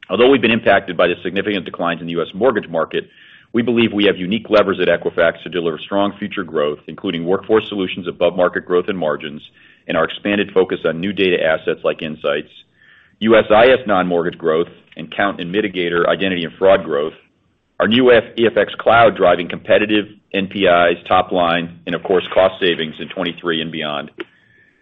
Although we've been impacted by the significant declines in the U.S. Mortgage market, we believe we have unique levers at Equifax to deliver strong future growth, including Workforce Solutions above market growth and margins, and our expanded focus on new data assets like Insights, USIS Non-Mortgage growth, and Kount and Midigator, Identity & Fraud growth. Our new EFX Cloud driving competitive NPI top line and, of course, cost savings in 2023 and beyond.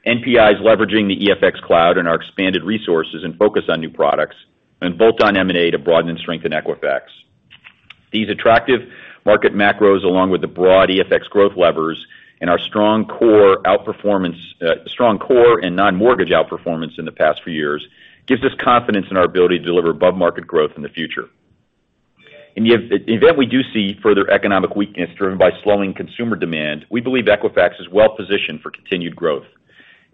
NPI is leveraging the EFX Cloud and our expanded resources and focus on new products and bolt-on M&A to broaden strength in Equifax. These attractive market macros, along with the broad EFX growth levers and our strong core and Non-Mortgage outperformance in the past few years, gives us confidence in our ability to deliver above-market growth in the future. If in the event we do see further economic weakness driven by slowing consumer demand, we believe Equifax is well positioned for continued growth.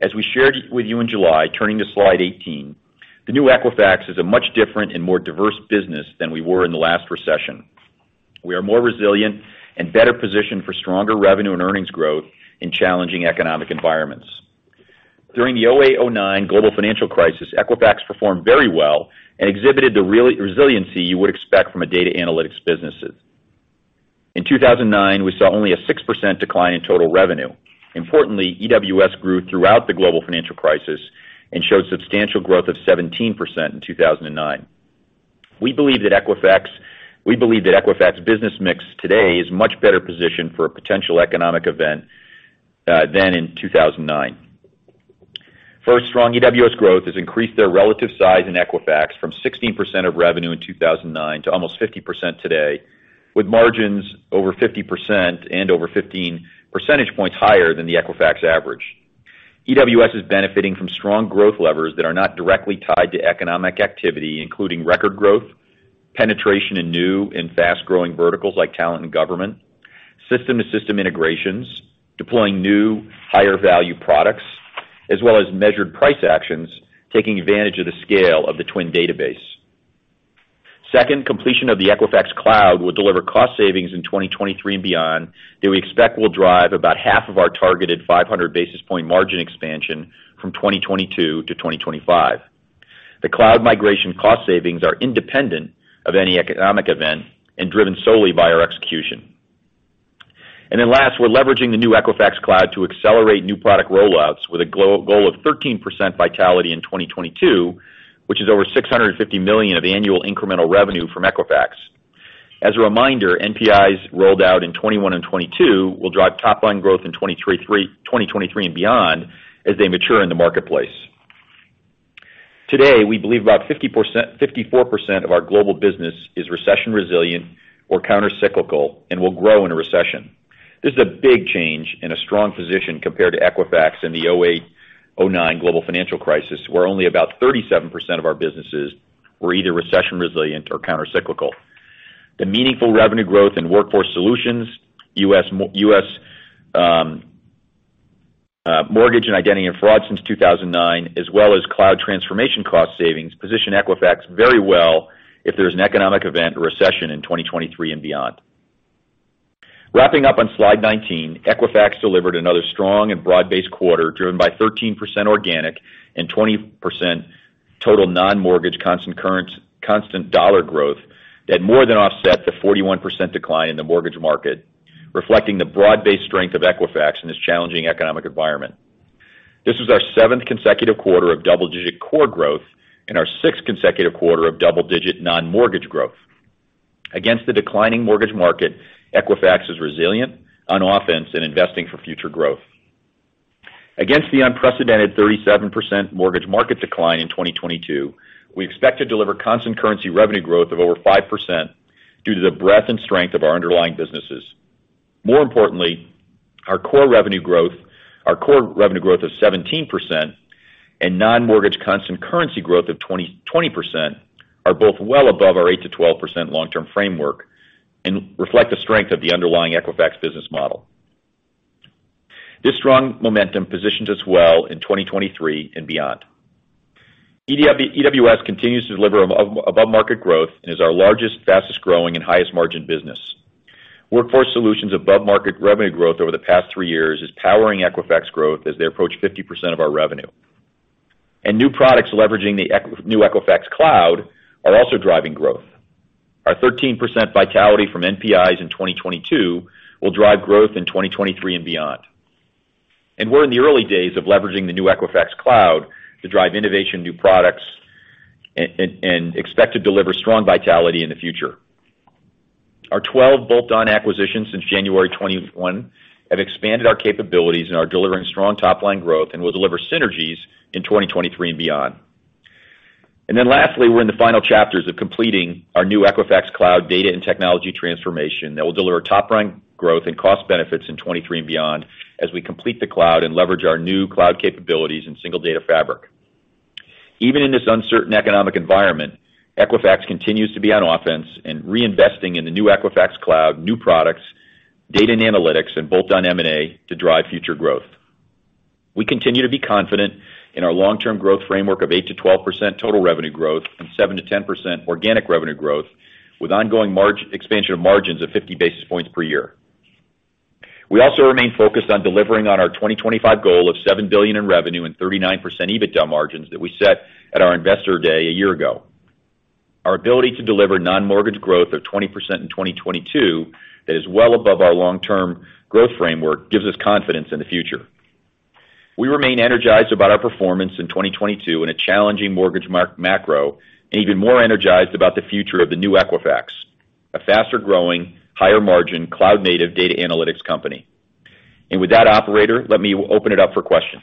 As we shared with you in July, turning to slide 18, the new Equifax is a much different and more diverse business than we were in the last recession. We are more resilient and better positioned for stronger revenue and earnings growth in challenging economic environments. During the 2008-2009 Global Financial Crisis, Equifax performed very well and exhibited the resiliency you would expect from a data analytics business. In 2009, we saw only a 6% decline in total revenue. Importantly, EWS grew throughout the Global Financial Crisis and showed substantial growth of 17% in 2009. We believe that Equifax business mix today is much better positioned for a potential economic event than in 2009. First, strong EWS growth has increased their relative size in Equifax from 16% of revenue in 2009 to almost 50% today, with margins over 50% and over 15 percentage points higher than the Equifax average. EWS is benefiting from strong growth levers that are not directly tied to economic activity, including record growth, penetration in new and fast growing verticals like talent and government, system to system integrations, deploying new higher value products, as well as measured price actions, taking advantage of the scale of the TWN database. Second, completion of the Equifax Cloud will deliver cost savings in 2023 and beyond that we expect will drive about half of our targeted 500 basis point margin expansion from 2022 to 2025. The Cloud migration cost savings are independent of any economic event and driven solely by our execution. Last, we're leveraging the new Equifax Cloud to accelerate new product rollouts with a goal of 13% vitality in 2022, which is over $650 million of annual incremental revenue from Equifax. As a reminder, NPIs rolled out in 2021 and 2022 will drive top line growth in 2023 and beyond as they mature in the marketplace. Today, we believe about 54% of our global business is recession resilient or countercyclical and will grow in a recession. This is a big change in a strong position compared to Equifax in the 2008, 2009 Global Financial Crisis, where only about 37% of our businesses were either recession resilient or countercyclical. The meaningful revenue growth in Workforce Solutions, U.S. Mortgage and Identity & Fraud since 2009, as well as Cloud transformation cost savings position Equifax very well if there's an economic event or recession in 2023 and beyond. Wrapping up on slide 19, Equifax delivered another strong and broad-based quarter driven by 13% organic and 20% total Non-Mortgage constant currency, constant dollar growth that more than offset the 41% decline in the Mortgage market, reflecting the broad-based strength of Equifax in this challenging economic environment. This was our seventh consecutive quarter of double-digit core growth and our sixth consecutive quarter of double-digit Non-Mortgage growth. Against the declining Mortgage market, Equifax is resilient on offense and investing for future growth. Against the unprecedented 37% Mortgage market decline in 2022, we expect to deliver constant currency revenue growth of over 5% due to the breadth and strength of our underlying businesses. More importantly, our core revenue growth of 17% and Non-Mortgage constant currency growth of 20% are both well above our 8%-12% long-term framework and reflect the strength of the underlying Equifax business model. This strong momentum positions us well in 2023 and beyond. EWS continues to deliver above market growth and is our largest, fastest growing and highest margin business. Workforce Solutions above market revenue growth over the past three years is powering Equifax growth as they approach 50% of our revenue. New products leveraging the new Equifax Cloud are also driving growth. Our 13% vitality from NPIs in 2022 will drive growth in 2023 and beyond. We're in the early days of leveraging the new Equifax Cloud to drive innovation, new products, and expect to deliver strong vitality in the future. Our 12 bolt-on acquisitions since January 2021 have expanded our capabilities and are delivering strong top line growth and will deliver synergies in 2023 and beyond. Lastly, we're in the final chapters of completing our new Equifax Cloud data and technology transformation that will deliver top line growth and cost benefits in 2023 and beyond, as we complete the Cloud and leverage our new Cloud capabilities in Single Data Fabric. Even in this uncertain economic environment, Equifax continues to be on offense and reinvesting in the new Equifax Cloud, new products, data and analytics, and bolt-on M&A to drive future growth. We continue to be confident in our long-term growth framework of 8%-12% total revenue growth and 7%-10% organic revenue growth, with ongoing margin expansion of 50 basis points per year. We also remain focused on delivering on our 2025 goal of $7 billion in revenue and 39% EBITDA margins that we set at our investor day a year ago. Our ability to deliver Non-Mortgage growth of 20% in 2022, that is well above our long-term growth framework, gives us confidence in the future. We remain energized about our performance in 2022 in a challenging Mortgage macro, and even more energized about the future of the new Equifax, a faster growing, higher margin, Cloud native data analytics company. With that, operator, let me open it up for questions.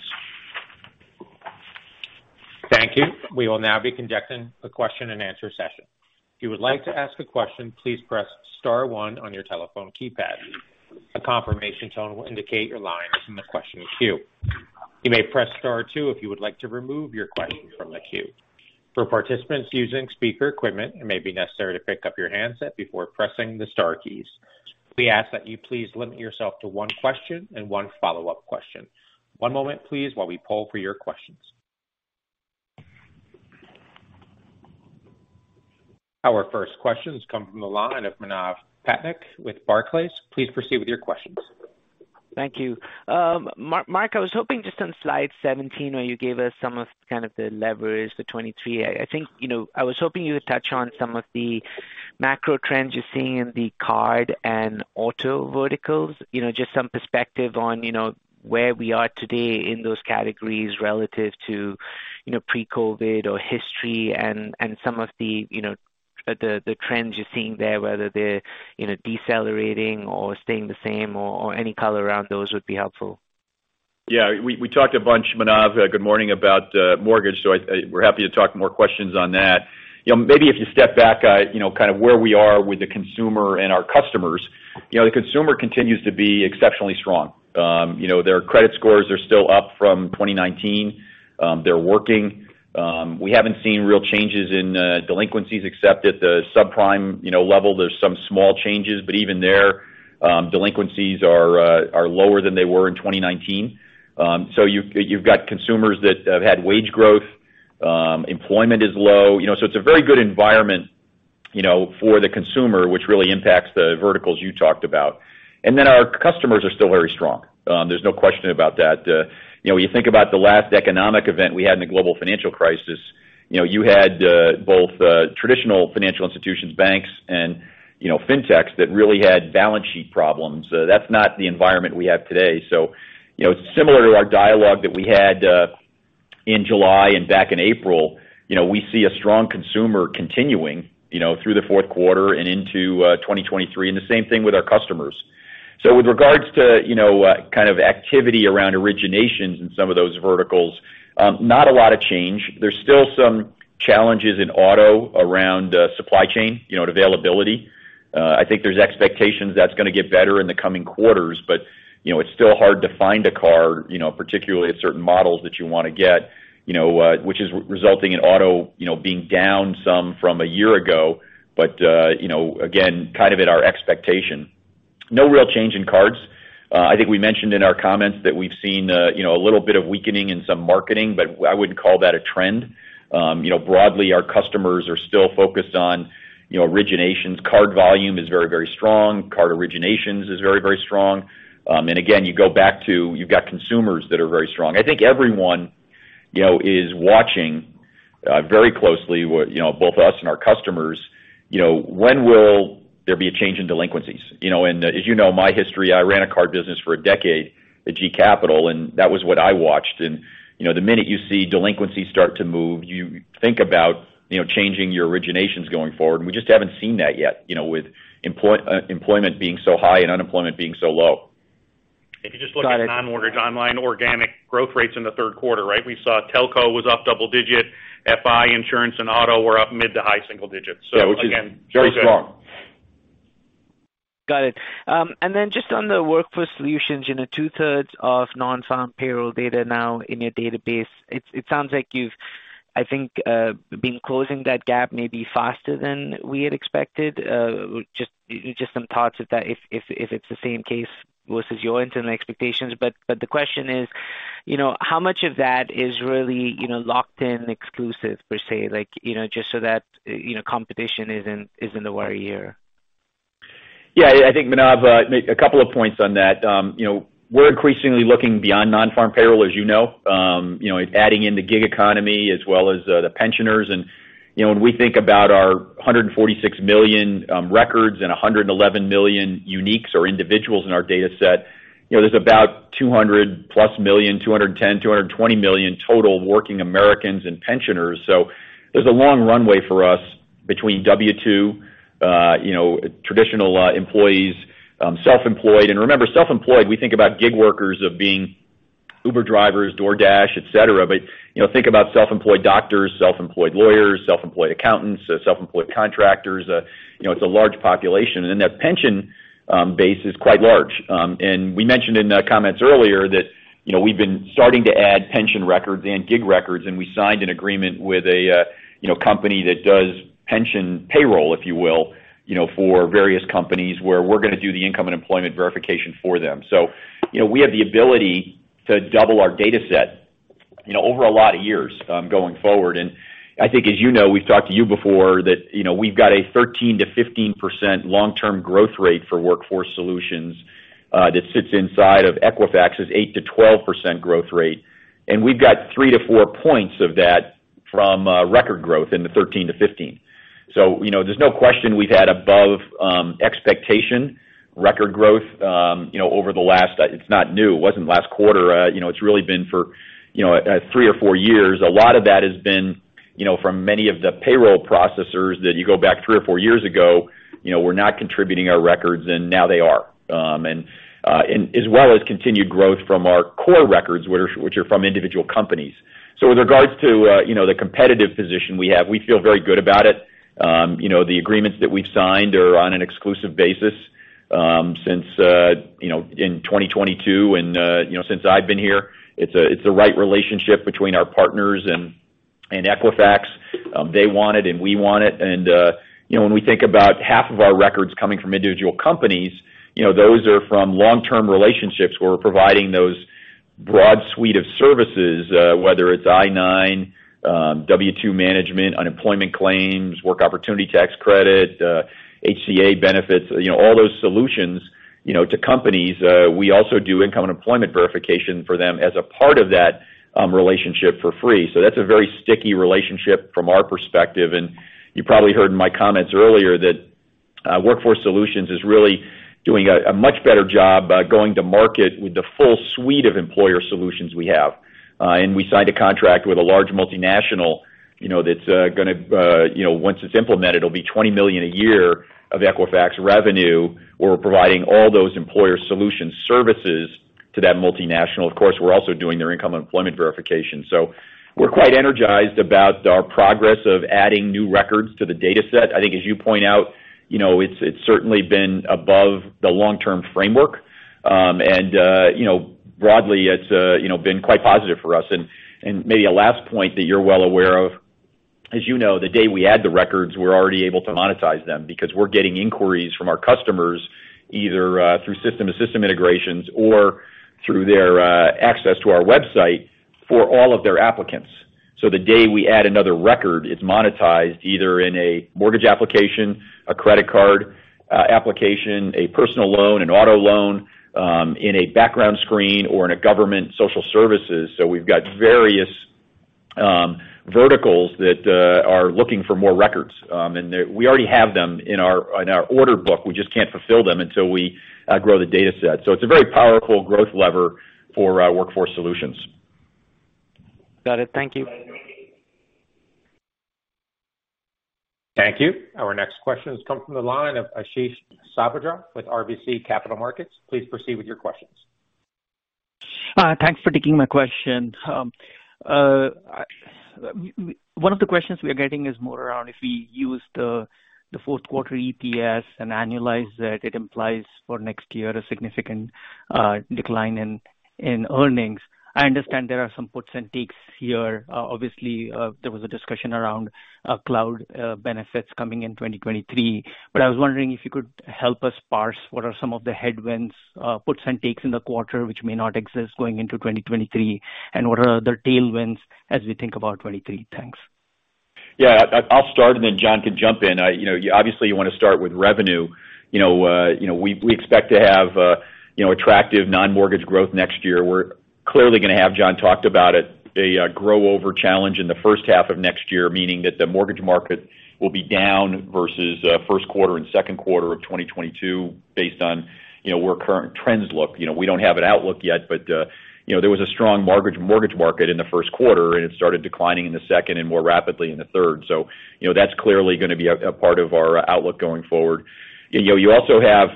Thank you. We will now be conducting a question and answer session. If you would like to ask a question, please press star one on your telephone keypad. A confirmation tone will indicate your line is in the question queue. You may press star two if you would like to remove your question from the queue. For participants using speaker equipment, it may be necessary to pick up your handset before pressing the star keys. We ask that you please limit yourself to one question and one follow-up question. One moment, please, while we poll for your questions. Our first question comes from the line of Manav Patnaik with Barclays. Please proceed with your questions. Thank you. Mark, I was hoping just on slide 17, where you gave us some of kind of the leverage for 2023. I think, you know, I was hoping you would touch on some of the macro trends you're seeing in the card and auto verticals. You know, just some perspective on, you know, where we are today in those categories relative to, you know, pre-COVID or history and some of the, you know, the trends you're seeing there, whether they're, you know, decelerating or staying the same or any color around those would be helpful. Yeah, we talked a bunch, Manav, good morning, about Mortgage, so we're happy to take more questions on that. You know, maybe if you step back, you know, kind of where we are with the consumer and our customers. You know, the consumer continues to be exceptionally strong. You know, their credit scores are still up from 2019. They're working. We haven't seen real changes in delinquencies except at the subprime level. There's some small changes, but even there, delinquencies are lower than they were in 2019. So you've got consumers that have had wage growth. Employment is low. You know, so it's a very good environment, you know, for the consumer, which really impacts the verticals you talked about. Our customers are still very strong. There's no question about that. You know, when you think about the last economic event we had in the Global Financial Crisis, you know, you had both traditional financial institutions, banks and, you know, fintechs that really had balance sheet problems. That's not the environment we have today. You know, it's similar to our dialogue that we had in July and back in April. You know, we see a strong consumer continuing, you know, through the fourth quarter and into 2023, and the same thing with our customers. With regards to, you know, kind of activity around originations in some of those verticals, not a lot of change. There's still some challenges in auto around supply chain, you know, and availability. I think there's expectations that's gonna get better in the coming quarters, but, you know, it's still hard to find a car, you know, particularly at certain models that you wanna get, you know, which is resulting in auto, you know, being down some from a year ago. You know, again, kind of in our expectation. No real change in cards. I think we mentioned in our comments that we've seen, you know, a little bit of weakening in some marketing, but I wouldn't call that a trend. You know, broadly, our customers are still focused on, you know, originations. Card volume is very, very strong. Card originations is very, very strong. Again, you go back to you've got consumers that are very strong. I think everyone, you know, is watching very closely what, you know, both us and our customers, you know, when will there be a change in delinquencies, you know. As you know my history, I ran a card business for a decade at GE Capital, and that was what I watched. You know, the minute you see delinquencies start to move, you think about, you know, changing your originations going forward. We just haven't seen that yet, you know, with employment being so high and unemployment being so low. If you just look at Non-Mortgage online organic growth rates in the third quarter, right? We saw telco was up double-digit. FI, insurance and auto were up mid to high-single digits. So again- Yeah, which is very strong. Got it. Just on the Workforce Solutions, you know, two-thirds of non-farm payroll data now in your database. It sounds like you've, I think, been closing that gap maybe faster than we had expected. Just some thoughts if it's the same case versus your internal expectations. The question is, you know, how much of that is really, you know, locked in exclusive per se, like, you know, just so that, you know, competition isn't a worry here? Yeah. I think, Manav, a couple of points on that. You know, we're increasingly looking beyond non-farm payroll, as you know. You know, adding in the gig economy as well as the pensioners. You know, when we think about our 146 million records and 111 million uniques or individuals in our dataset, you know, there's about 200+ million, 210 million, 220 million total working Americans and pensioners. There's a long runway for us between W-2, you know, traditional employees, self-employed. Remember, self-employed, we think about gig workers of being Uber drivers, DoorDash, et cetera. You know, think about self-employed doctors, self-employed lawyers, self-employed accountants, self-employed contractors. You know, it's a large population. Then that pension base is quite large. We mentioned in the comments earlier that, you know, we've been starting to add pension records and gig records, and we signed an agreement with a, you know, company that does pension payroll, if you will, you know, for various companies, where we're gonna do the income and employment verification for them. You know, we have the ability to double our dataset, you know, over a lot of years, going forward. I think, as you know, we've talked to you before that, you know, we've got a 13%-15% long-term growth rate for Workforce Solutions, that sits inside of Equifax's 8%-12% growth rate. We've got 3-4 points of that from record growth in the 13%-15%. You know, there's no question we've had above expectation record growth, you know, over the last. It's not new. It wasn't last quarter. You know, it's really been for, you know, three or four years. A lot of that has been, you know, from many of the payroll processors that you go back three or four years ago, you know, we're not contributing our records, and now they are. And as well as continued growth from our core records, which are from individual companies. With regards to, you know, the competitive position we have, we feel very good about it. You know, the agreements that we've signed are on an exclusive basis, since, you know, in 2022 and, you know, since I've been here. It's a right relationship between our partners and Equifax. They want it and we want it. You know, when we think about half of our records coming from individual companies, you know, those are from long-term relationships where we're providing those broad suite of services, whether it's I-9, W-2 management, unemployment claims, work opportunity tax credit, ACA benefits, you know, all those solutions, you know, to companies. We also do income and employment verification for them as a part of that relationship for free. That's a very sticky relationship from our perspective. You probably heard in my comments earlier that Workforce Solutions is really doing a much better job going to market with the full suite of Employer Solutions we have. We signed a contract with a large multinational, you know, that's gonna, you know, once it's implemented, it'll be $20 million a year of Equifax revenue. We're providing all those Employer Solution Services to that multinational. Of course, we're also doing their income employment verification. We're quite energized about our progress of adding new records to the dataset. I think as you point out, you know, it's certainly been above the long-term framework. You know, broadly, it's, you know, been quite positive for us. Maybe a last point that you're well aware of, as you know, the day we add the records, we're already able to monetize them because we're getting inquiries from our customers either through system-to-system integrations or through their access to our website for all of their applicants. The day we add another record, it's monetized either in a Mortgage application, a credit card application, a personal loan, an auto loan, in a background screen or in a government social services. We've got various verticals that are looking for more records. We already have them in our order book. We just can't fulfill them until we grow the dataset. It's a very powerful growth lever for our Workforce Solutions. Got it. Thank you. Thank you. Our next question has come from the line of Ashish Sabadra with RBC Capital Markets. Please proceed with your questions. Thanks for taking my question. One of the questions we are getting is more around if we use the fourth quarter EPS and annualize that it implies for next year a significant decline in earnings. I understand there are some puts and takes here. Obviously, there was a discussion around a Cloud benefits coming in 2023. I was wondering if you could help us parse what are some of the headwinds, puts and takes in the quarter which may not exist going into 2023, and what are the tailwinds as we think about 2023? Thanks. I'll start, and then John can jump in. You know, you obviously wanna start with revenue. You know, you know, we expect to have, you know, attractive Non-Mortgage growth next year. We're clearly gonna have, John talked about it, a year-over-year challenge in the first half of next year, meaning that the Mortgage market will be down versus first quarter and second quarter of 2022 based on, you know, where current trends look. You know, we don't have an outlook yet, but you know, there was a strong Mortgage market in the first quarter, and it started declining in the second and more rapidly in the third. You know, that's clearly gonna be a part of our outlook going forward. You know, you also have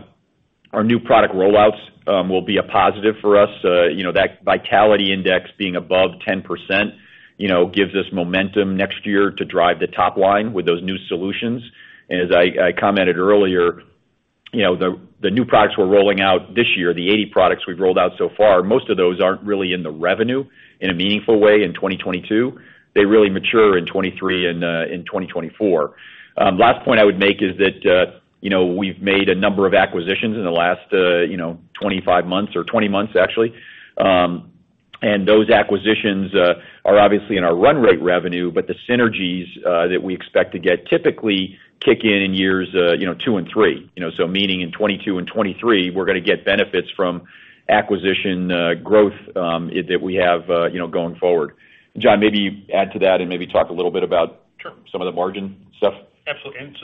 our new product rollouts will be a positive for us. You know, that Vitality Index being above 10%, you know, gives us momentum next year to drive the top line with those new solutions. As I commented earlier, you know, the new products we're rolling out this year, the 80 products we've rolled out so far, most of those aren't really in the revenue in a meaningful way in 2022. They really mature in 2023 and in 2024. Last point I would make is that, you know, we've made a number of acquisitions in the last 25 months or 20 months actually. Those acquisitions are obviously in our run rate revenue, but the synergies that we expect to get typically kick in in years two and three. You know, meaning in 2022 and 2023, we're gonna get benefits from acquisition growth that we have, you know, going forward. John, maybe add to that and maybe talk a little bit about some of the margin stuff. Sure. Absolutely.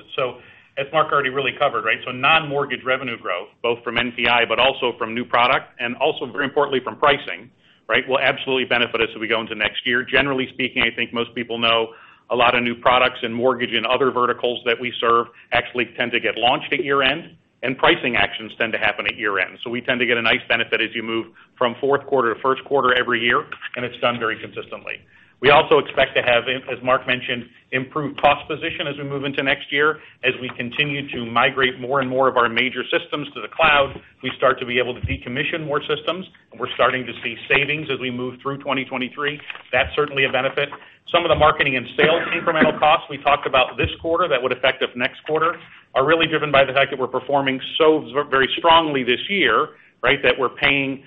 As Mark already really covered, right, so Non-Mortgage revenue growth, both from NPI, but also from new product and also very importantly from pricing, right? Will absolutely benefit us as we go into next year. Generally speaking, I think most people know a lot of new products and Mortgage and other verticals that we serve actually tend to get launched at year-end, and pricing actions tend to happen at year-end. We tend to get a nice benefit as you move from fourth quarter to first quarter every year, and it's done very consistently. We also expect to have, as Mark mentioned, improved cost position as we move into next year. As we continue to migrate more and more of our major systems to the Cloud, we start to be able to decommission more systems, and we're starting to see savings as we move through 2023. That's certainly a benefit. Some of the marketing and sales incremental costs we talked about this quarter that would affect us next quarter are really driven by the fact that we're performing so very strongly this year, right? That we're paying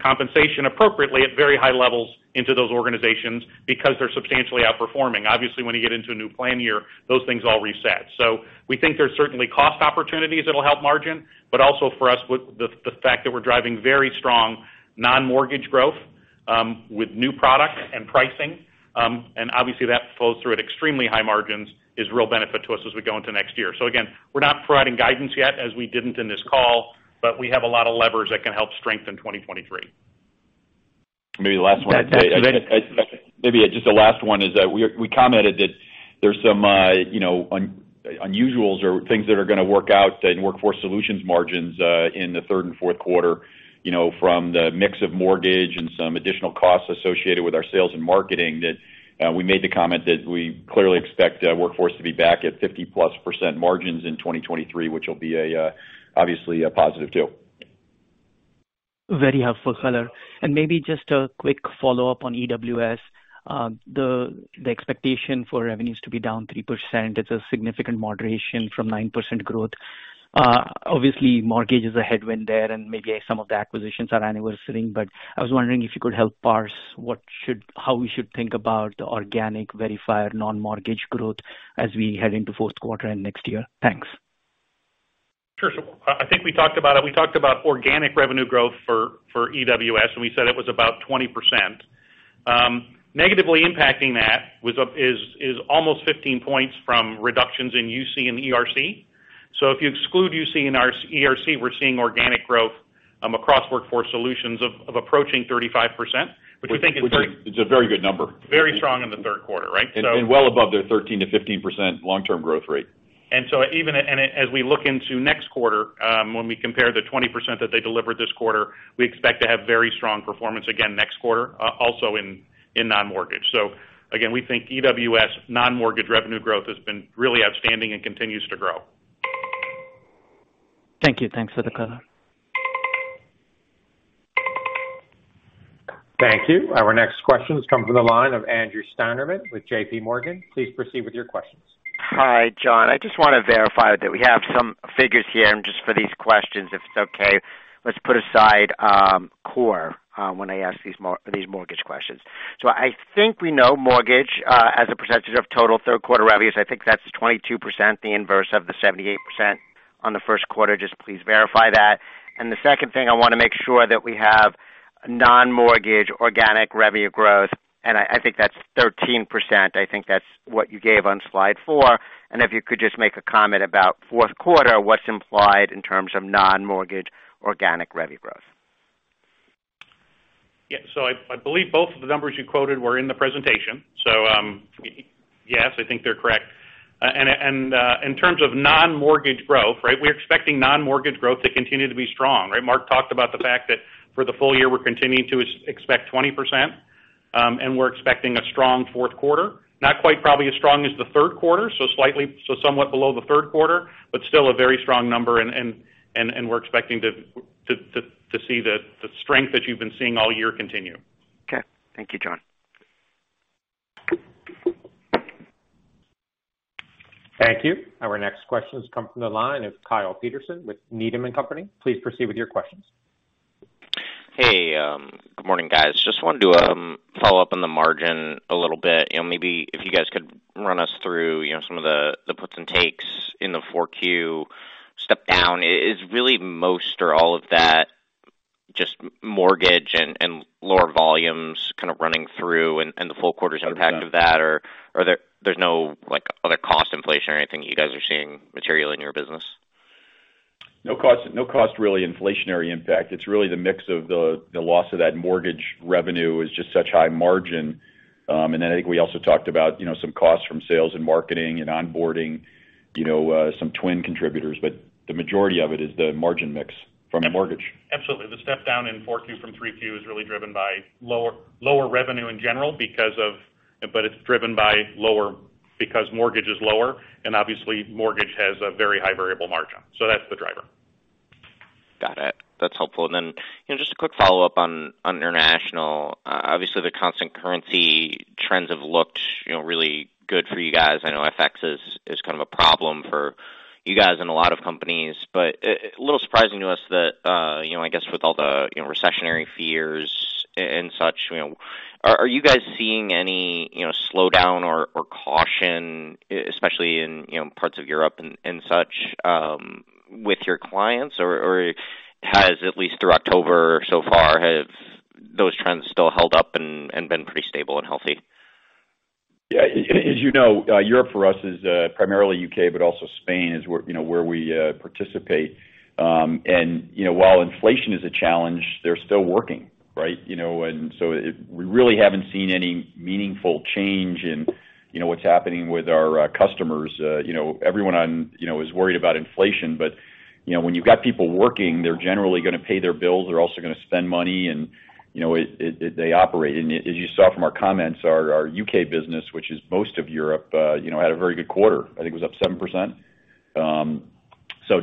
compensation appropriately at very high levels into those organizations because they're substantially outperforming. Obviously, when you get into a new plan year, those things all reset. We think there's certainly cost opportunities that'll help margin, but also for us with the fact that we're driving very strong Non-Mortgage growth with new product and pricing, and obviously that flows through at extremely high margins is real benefit to us as we go into next year. Again, we're not providing guidance yet as we didn't in this call, but we have a lot of levers that can help strengthen 2023. Maybe the last one. Yeah. Maybe just the last one is that we commented that there's some, you know, unusuals or things that are gonna work out in Workforce Solutions margins in the third and fourth quarter, you know, from the mix of Mortgage and some additional costs associated with our sales and marketing that we made the comment that we clearly expect Workforce to be back at 50%+ margins in 2023, which will be, obviously, a positive too. Very helpful color. Maybe just a quick follow-up on EWS. The expectation for revenues to be down 3%, it's a significant moderation from 9% growth. Obviously, Mortgage is a headwind there, and maybe some of the acquisitions are anniversarying. I was wondering if you could help parse how we should think about the organic verified Non-Mortgage growth as we head into fourth quarter and next year. Thanks. Sure. I think we talked about it. We talked about organic revenue growth for EWS, and we said it was about 20%. Negatively impacting that is almost 15 points from reductions in UC and ERC. If you exclude UC and ERC, we're seeing organic growth across Workforce Solutions of approaching 35%, which we think is pretty- It's a very good number. Very strong in the third quarter, right? Well above their 13%-15% long-term growth rate. As we look into next quarter, when we compare the 20% that they delivered this quarter, we expect to have very strong performance again next quarter, also in Non-Mortgage. Again, we think EWS Non-Mortgage revenue growth has been really outstanding and continues to grow. Thank you. Thanks for the color. Thank you. Our next question has come from the line of Andrew Steinerman with JPMorgan. Please proceed with your questions. Hi, John. I just wanna verify that we have some figures here, and just for these questions, if it's okay, let's put aside core when I ask these Mortgage questions. I think we know Mortgage as a percentage of total third quarter revenues. I think that's 22%, the inverse of the 78% on the first quarter. Just please verify that. The second thing, I wanna make sure that we have Non-Mortgage organic revenue growth, and I think that's 13%. I think that's what you gave on slide four. If you could just make a comment about fourth quarter, what's implied in terms of Non-Mortgage organic revenue growth? Yeah. I believe both of the numbers you quoted were in the presentation. Yes, I think they're correct. And in terms of Non-Mortgage growth, right? We're expecting Non-Mortgage growth to continue to be strong, right? Mark talked about the fact that for the full year, we're continuing to expect 20%, and we're expecting a strong fourth quarter. Not quite probably as strong as the third quarter, somewhat below the third quarter, but still a very strong number and we're expecting to see the strength that you've been seeing all year continue. Okay. Thank you, John. Thank you. Our next question has come from the line of Kyle Peterson with Needham & Company. Please proceed with your questions. Hey, good morning, guys. Just wanted to follow up on the margin a little bit. You know, maybe if you guys could run us through, you know, some of the puts and takes in the 4Q step down. Is really most or all of that just Mortgage and lower volumes kind of running through and the full quarter's impact of that? Or there's no, like, other cost inflation or anything you guys are seeing material in your business? No cost, no real inflationary impact. It's really the mix of the loss of that Mortgage revenue is just such high margin. I think we also talked about, you know, some costs from sales and marketing and onboarding, you know, some TWN contributors. The majority of it is the margin mix from Mortgage. Absolutely. The step down in 4Q from 3Q is really driven by lower revenue in general. It's driven by lower because Mortgage is lower, and obviously Mortgage has a very high variable margin. That's the driver. Got it. That's helpful. Then, you know, just a quick follow-up on International. Obviously the constant currency trends have looked, you know, really good for you guys. I know FX is kind of a problem for you guys and a lot of companies. But a little surprising to us that, you know, I guess with all the, you know, recessionary fears and such, you know, are you guys seeing any, you know, slowdown or caution especially in, you know, parts of Europe and such with your clients? Or has at least through October so far, have those trends still held up and been pretty stable and healthy? Yeah. As you know, Europe for us is primarily U.K., but also Spain is where you know we participate. You know, while inflation is a challenge, they're still working, right? You know, we really haven't seen any meaningful change in you know what's happening with our customers. You know, everyone you know is worried about inflation, but you know, when you've got people working, they're generally gonna pay their bills. They're also gonna spend money and you know, they operate. As you saw from our comments, our U.K. business, which is most of Europe, you know, had a very good quarter. I think it was up 7%.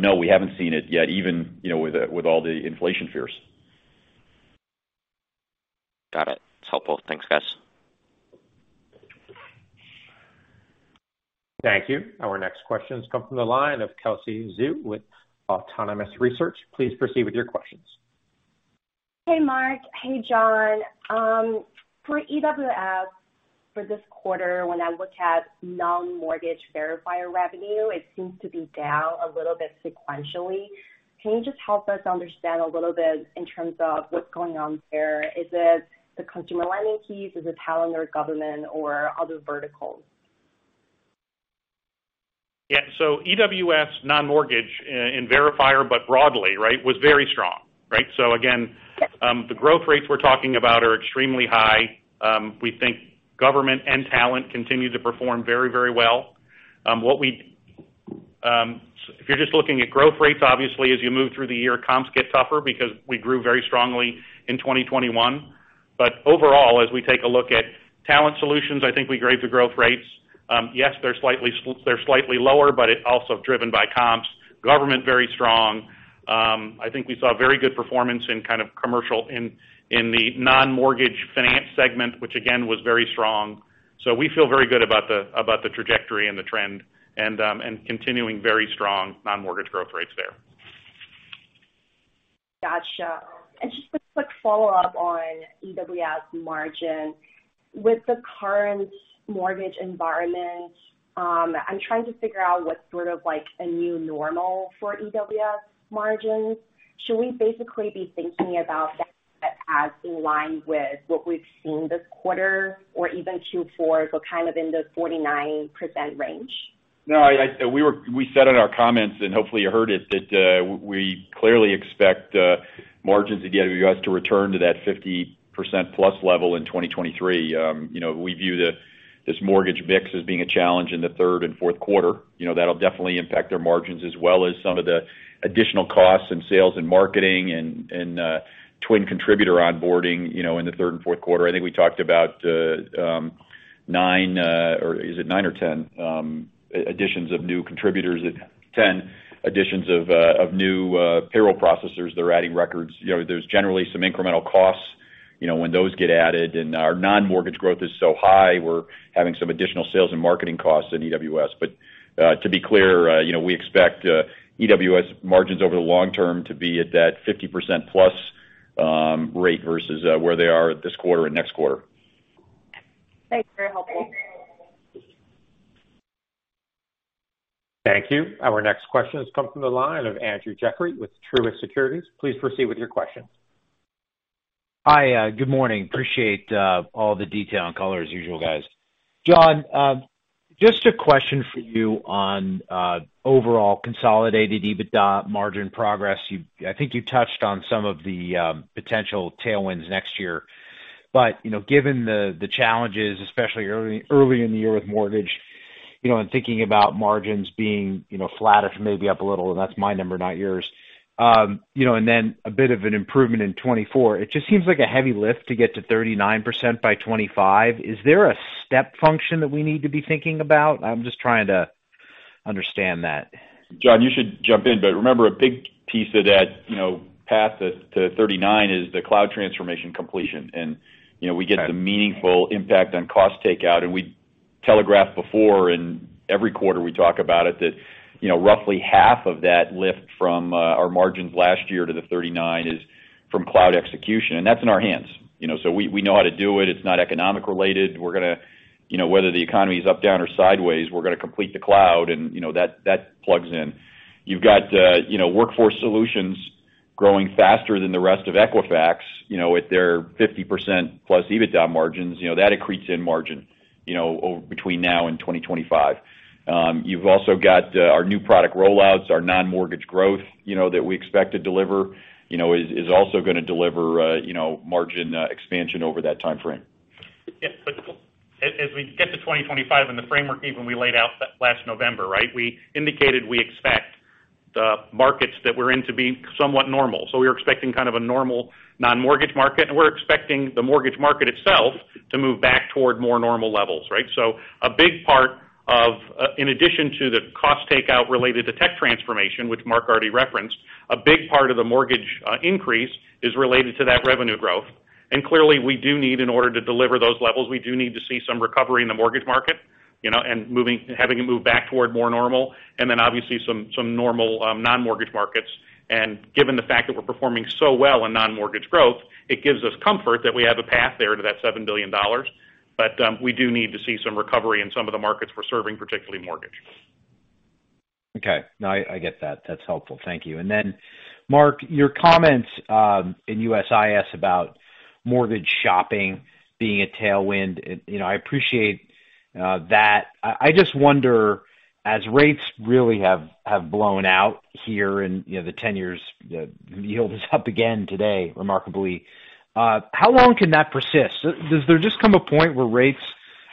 No, we haven't seen it yet, even you know with all the inflation fears. Got it. It's helpful. Thanks, guys. Thank you. Our next question has come from the line of Kelsey Zhu with Autonomous Research. Please proceed with your questions. Hey, Mark. Hey, John. For EWS for this quarter, when I look at Non-Mortgage verifier revenue, it seems to be down a little bit sequentially. Can you just help us understand a little bit in terms of what's going on there? Is it the consumer lending piece? Is it talent or government or other verticals? EWS Non-Mortgage income verifier, but broadly, right, was very strong, right? Again the growth rates we're talking about are extremely high. We think government and talent continue to perform very, very well. If you're just looking at growth rates, obviously, as you move through the year, comps get tougher because we grew very strongly in 2021. Overall, as we take a look at Talent Solutions, I think we grade the growth rates. Yes, they're slightly lower, but it's also driven by comps. Government, very strong. I think we saw very good performance in kind of commercial in the Non-Mortgage finance segment, which again, was very strong. We feel very good about the trajectory and the trend and continuing very strong Non-Mortgage growth rates there. Gotcha. Just a quick follow-up on EWS margin. With the current Mortgage environment, I'm trying to figure out what's sort of like a new normal for EWS margins. Should we basically be thinking about that as in line with what we've seen this quarter or even Q4, so kind of in the 49% range? No, we said in our comments, and hopefully you heard it, that we clearly expect margins at EWS to return to that 50%+ level in 2023. You know, we view this Mortgage mix as being a challenge in the third and fourth quarter. You know, that'll definitely impact their margins as well as some of the additional costs in sales and marketing and TWN contributor onboarding, you know, in the third and fourth quarter. I think we talked about nine or 10 additions of new contributors, 10 additions of new payroll processors that are adding records. You know, there's generally some incremental costs, you know, when those get added. Our Non-Mortgage growth is so high, we're having some additional sales and marketing costs at EWS. To be clear, you know, we expect EWS margins over the long term to be at that 50% plus rate versus where they are this quarter and next quarter. Thanks. Very helpful. Thank you. Our next question has come from the line of Andrew Jeffrey with Truist Securities. Please proceed with your question. Hi. Good morning. Appreciate all the detail and color as usual, guys. John, just a question for you on overall consolidated EBITDA margin progress. You—I think you touched on some of the potential tailwinds next year. Given the challenges, especially early in the year with Mortgage, you know, and thinking about margins being, you know, flattish maybe up a little, and that's my number, not yours. You know, and then a bit of an improvement in 2024. It just seems like a heavy lift to get to 39% by 2025. Is there a step function that we need to be thinking about? I'm just trying to understand that. John, you should jump in, but remember a big piece of that, you know, path to 39% is the Cloud transformation completion. You know, we get the meaningful impact on cost takeout. We telegraphed before and every quarter we talk about it that, you know, roughly half of that lift from our margins last year to the 39% is from Cloud execution. That's in our hands, you know. We know how to do it. It's not economic related. We're gonna, you know, whether the economy is up, down or sideways, we're gonna complete the Cloud and, you know, that plugs in. You've got, you know, Workforce Solutions growing faster than the rest of Equifax, you know, at their 50%+ EBITDA margins, you know. That accretes in margin, you know, between now and 2025. You've also got our new product rollouts, our Non-Mortgage growth, you know, that we expect to deliver, you know, is also gonna deliver, you know, margin expansion over that timeframe. Yeah. As we get to 2025 and the framework even we laid out last November, right? We indicated we expect the markets that we're in to be somewhat normal. We're expecting kind of a normal Non-Mortgage market, and we're expecting the Mortgage market itself to move back toward more normal levels, right? A big part of, in addition to the cost takeout related to tech transformation, which Mark already referenced, a big part of the Mortgage increase is related to that revenue growth. Clearly, we do need, in order to deliver those levels, to see some recovery in the Mortgage market, you know, and having it move back toward more normal and then obviously some normal Non-Mortgage markets. Given the fact that we're performing so well in Non-Mortgage growth, it gives us comfort that we have a path there to that $7 billion. We do need to see some recovery in some of the markets we're serving, particularly Mortgage. Okay. No, I get that. That's helpful. Thank you. Then Mark, your comments in USIS about Mortgage shopping being a tailwind. You know, I appreciate that. I just wonder as rates really have blown out here and, you know, the 10-year yield is up again today, remarkably. How long can that persist? Does there just come a point where rates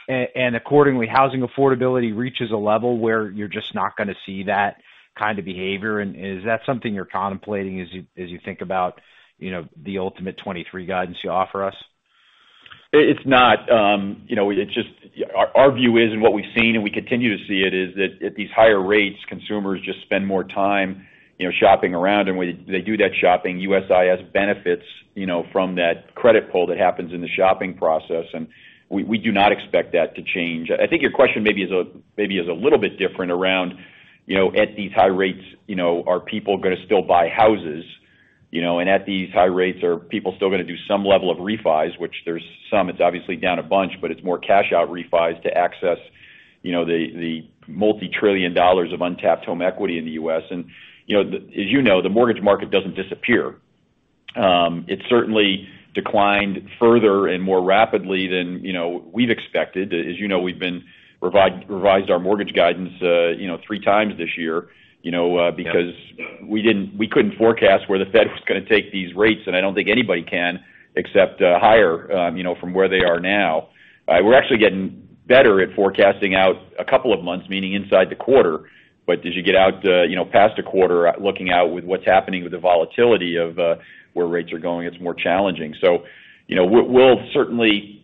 and accordingly, housing affordability reaches a level where you're just not gonna see that kind of behavior? And is that something you're contemplating as you think about, you know, the ultimate 2023 guidance you offer us? It is not, our view is and what we've seen, and we continue to see it, is that at these higher rates, consumers just spend more time, you know, shopping around. When they do that shopping, USIS benefits, you know, from that credit pull that happens in the shopping process. We do not expect that to change. I think your question maybe is a little bit different around, you know, at these high rates, you know, are people gonna still buy houses? You know, at these high rates, are people still gonna do some level of refis, which, it's obviously down a bunch, but it's more cash out refis to access, you know, the multi-trillion dollars of untapped home equity in the U.S. You know, as you know, the Mortgage market doesn't disappear. It certainly declined further and more rapidly than, you know, we've expected. As you know, we've been revising our Mortgage guidance, you know, three times this year, you know, because we couldn't forecast where the Fed was gonna take these rates, and I don't think anybody can except higher, you know, from where they are now. We're actually getting better at forecasting out a couple of months, meaning inside the quarter. As you get out, you know, past a quarter looking out with what's happening with the volatility of where rates are going, it's more challenging. You know, we'll certainly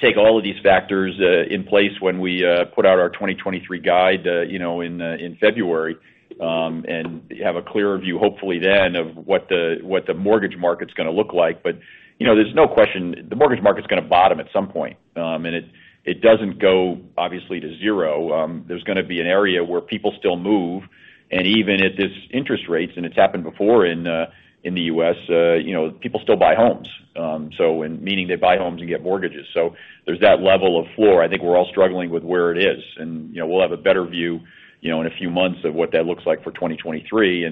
take all of these factors in place when we put out our 2023 guide, you know, in February, and have a clearer view, hopefully then of what the Mortgage market's gonna look like. You know, there's no question the Mortgage market's gonna bottom at some point. It doesn't go obviously to zero. There's gonna be an area where people still move. Even at this interest rates, it's happened before in the U.S., you know, people still buy homes. Meaning they buy homes and get Mortgages. There's that level of floor. I think we're all struggling with where it is. You know, we'll have a better view, you know, in a few months of what that looks like for 2023.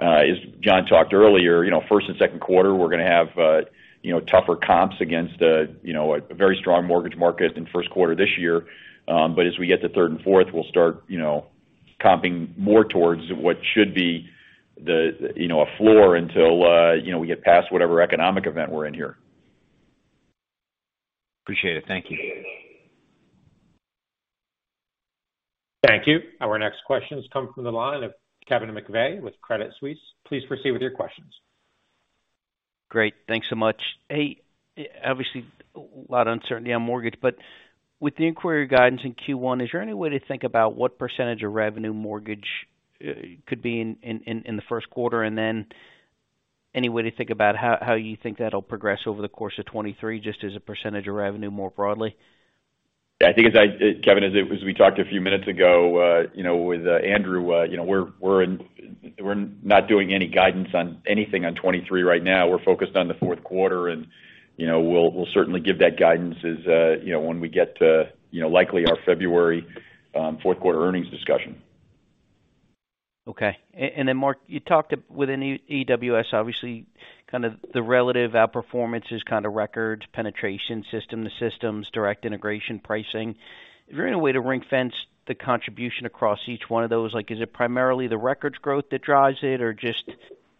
As John talked earlier, you know, first and second quarter, we're gonna have, you know, tougher comps against a, you know, a very strong Mortgage market in first quarter this year. But as we get to third and fourth, we'll start, you know, comping more towards what should be the, you know, a floor until, you know, we get past whatever economic event we're in here. Appreciate it. Thank you. Thank you. Our next question has come from the line of Kevin McVeigh with Credit Suisse. Please proceed with your questions. Great. Thanks so much. Hey, obviously a lot of uncertainty on Mortgage, but with the inquiry guidance in Q1, is there any way to think about what percentage of revenue Mortgage could be in the first quarter? Any way to think about how you think that'll progress over the course of 2023 just as a percentage of revenue more broadly? Yeah, I think Kevin, as we talked a few minutes ago, you know, with Andrew, you know, we're not doing any guidance on anything on 2023 right now. We're focused on the fourth quarter and, you know, we'll certainly give that guidance as, you know, when we get to, you know, likely our February fourth quarter earnings discussion. Okay. Mark, you talked about within EWS obviously kind of the relative outperformance is kind of records, penetration, system-to-systems, direct integration, pricing. Is there any way to ring-fence the contribution across each one of those? Like, is it primarily the records growth that drives it or is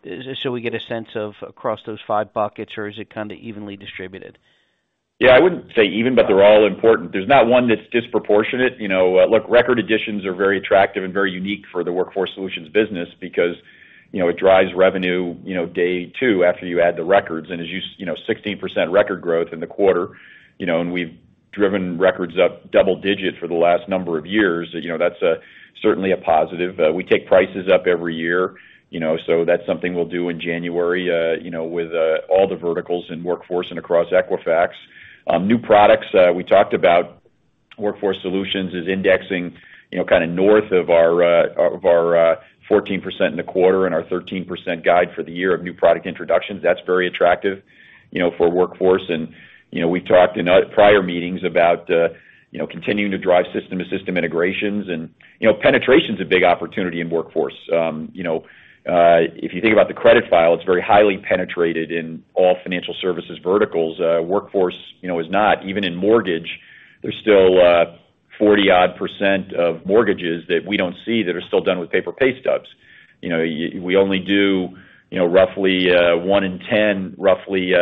it so we get a sense of across those five buckets or is it kinda evenly distributed? Yeah, I wouldn't say even, but they're all important. There's not one that's disproportionate. You know, look, record additions are very attractive and very unique for the Workforce Solutions business because, you know, it drives revenue, you know, day two after you add the records. As you know, 16% record growth in the quarter, you know, and we've driven records up double-digit for the last number of years. You know, that's certainly a positive. We take prices up every year, you know, so that's something we'll do in January, you know, with all the verticals in Workforce and across Equifax. New products, we talked about Workforce Solutions is indexing, you know, kinda north of our 14% in the quarter and our 13% guide for the year of new product introductions. That's very attractive, you know, for Workforce. You know, we talked in prior meetings about, you know, continuing to drive system to system integrations. You know, penetration's a big opportunity in Workforce. You know, if you think about the credit file, it's very highly penetrated in all financial services verticals. Workforce, you know, is not. Even in Mortgage, there's still 40-odd% of Mortgages that we don't see that are still done with paper pay stubs. You know, we only do, you know, roughly 1 in 10, roughly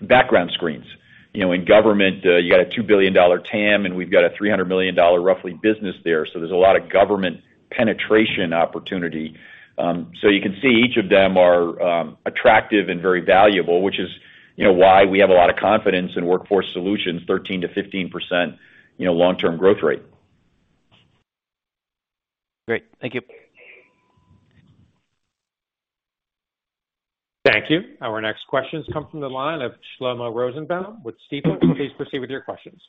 background screens. You know, in government, you got a $2 billion TAM, and we've got a $300 million roughly business there. There's a lot of government penetration opportunity. You can see each of them are attractive and very valuable, which is, you know, why we have a lot of confidence in Workforce Solutions, 13%-15%, you know, long-term growth rate. Great. Thank you. Thank you. Our next question comes from the line of Shlomo Rosenbaum with Stifel. Please proceed with your questions.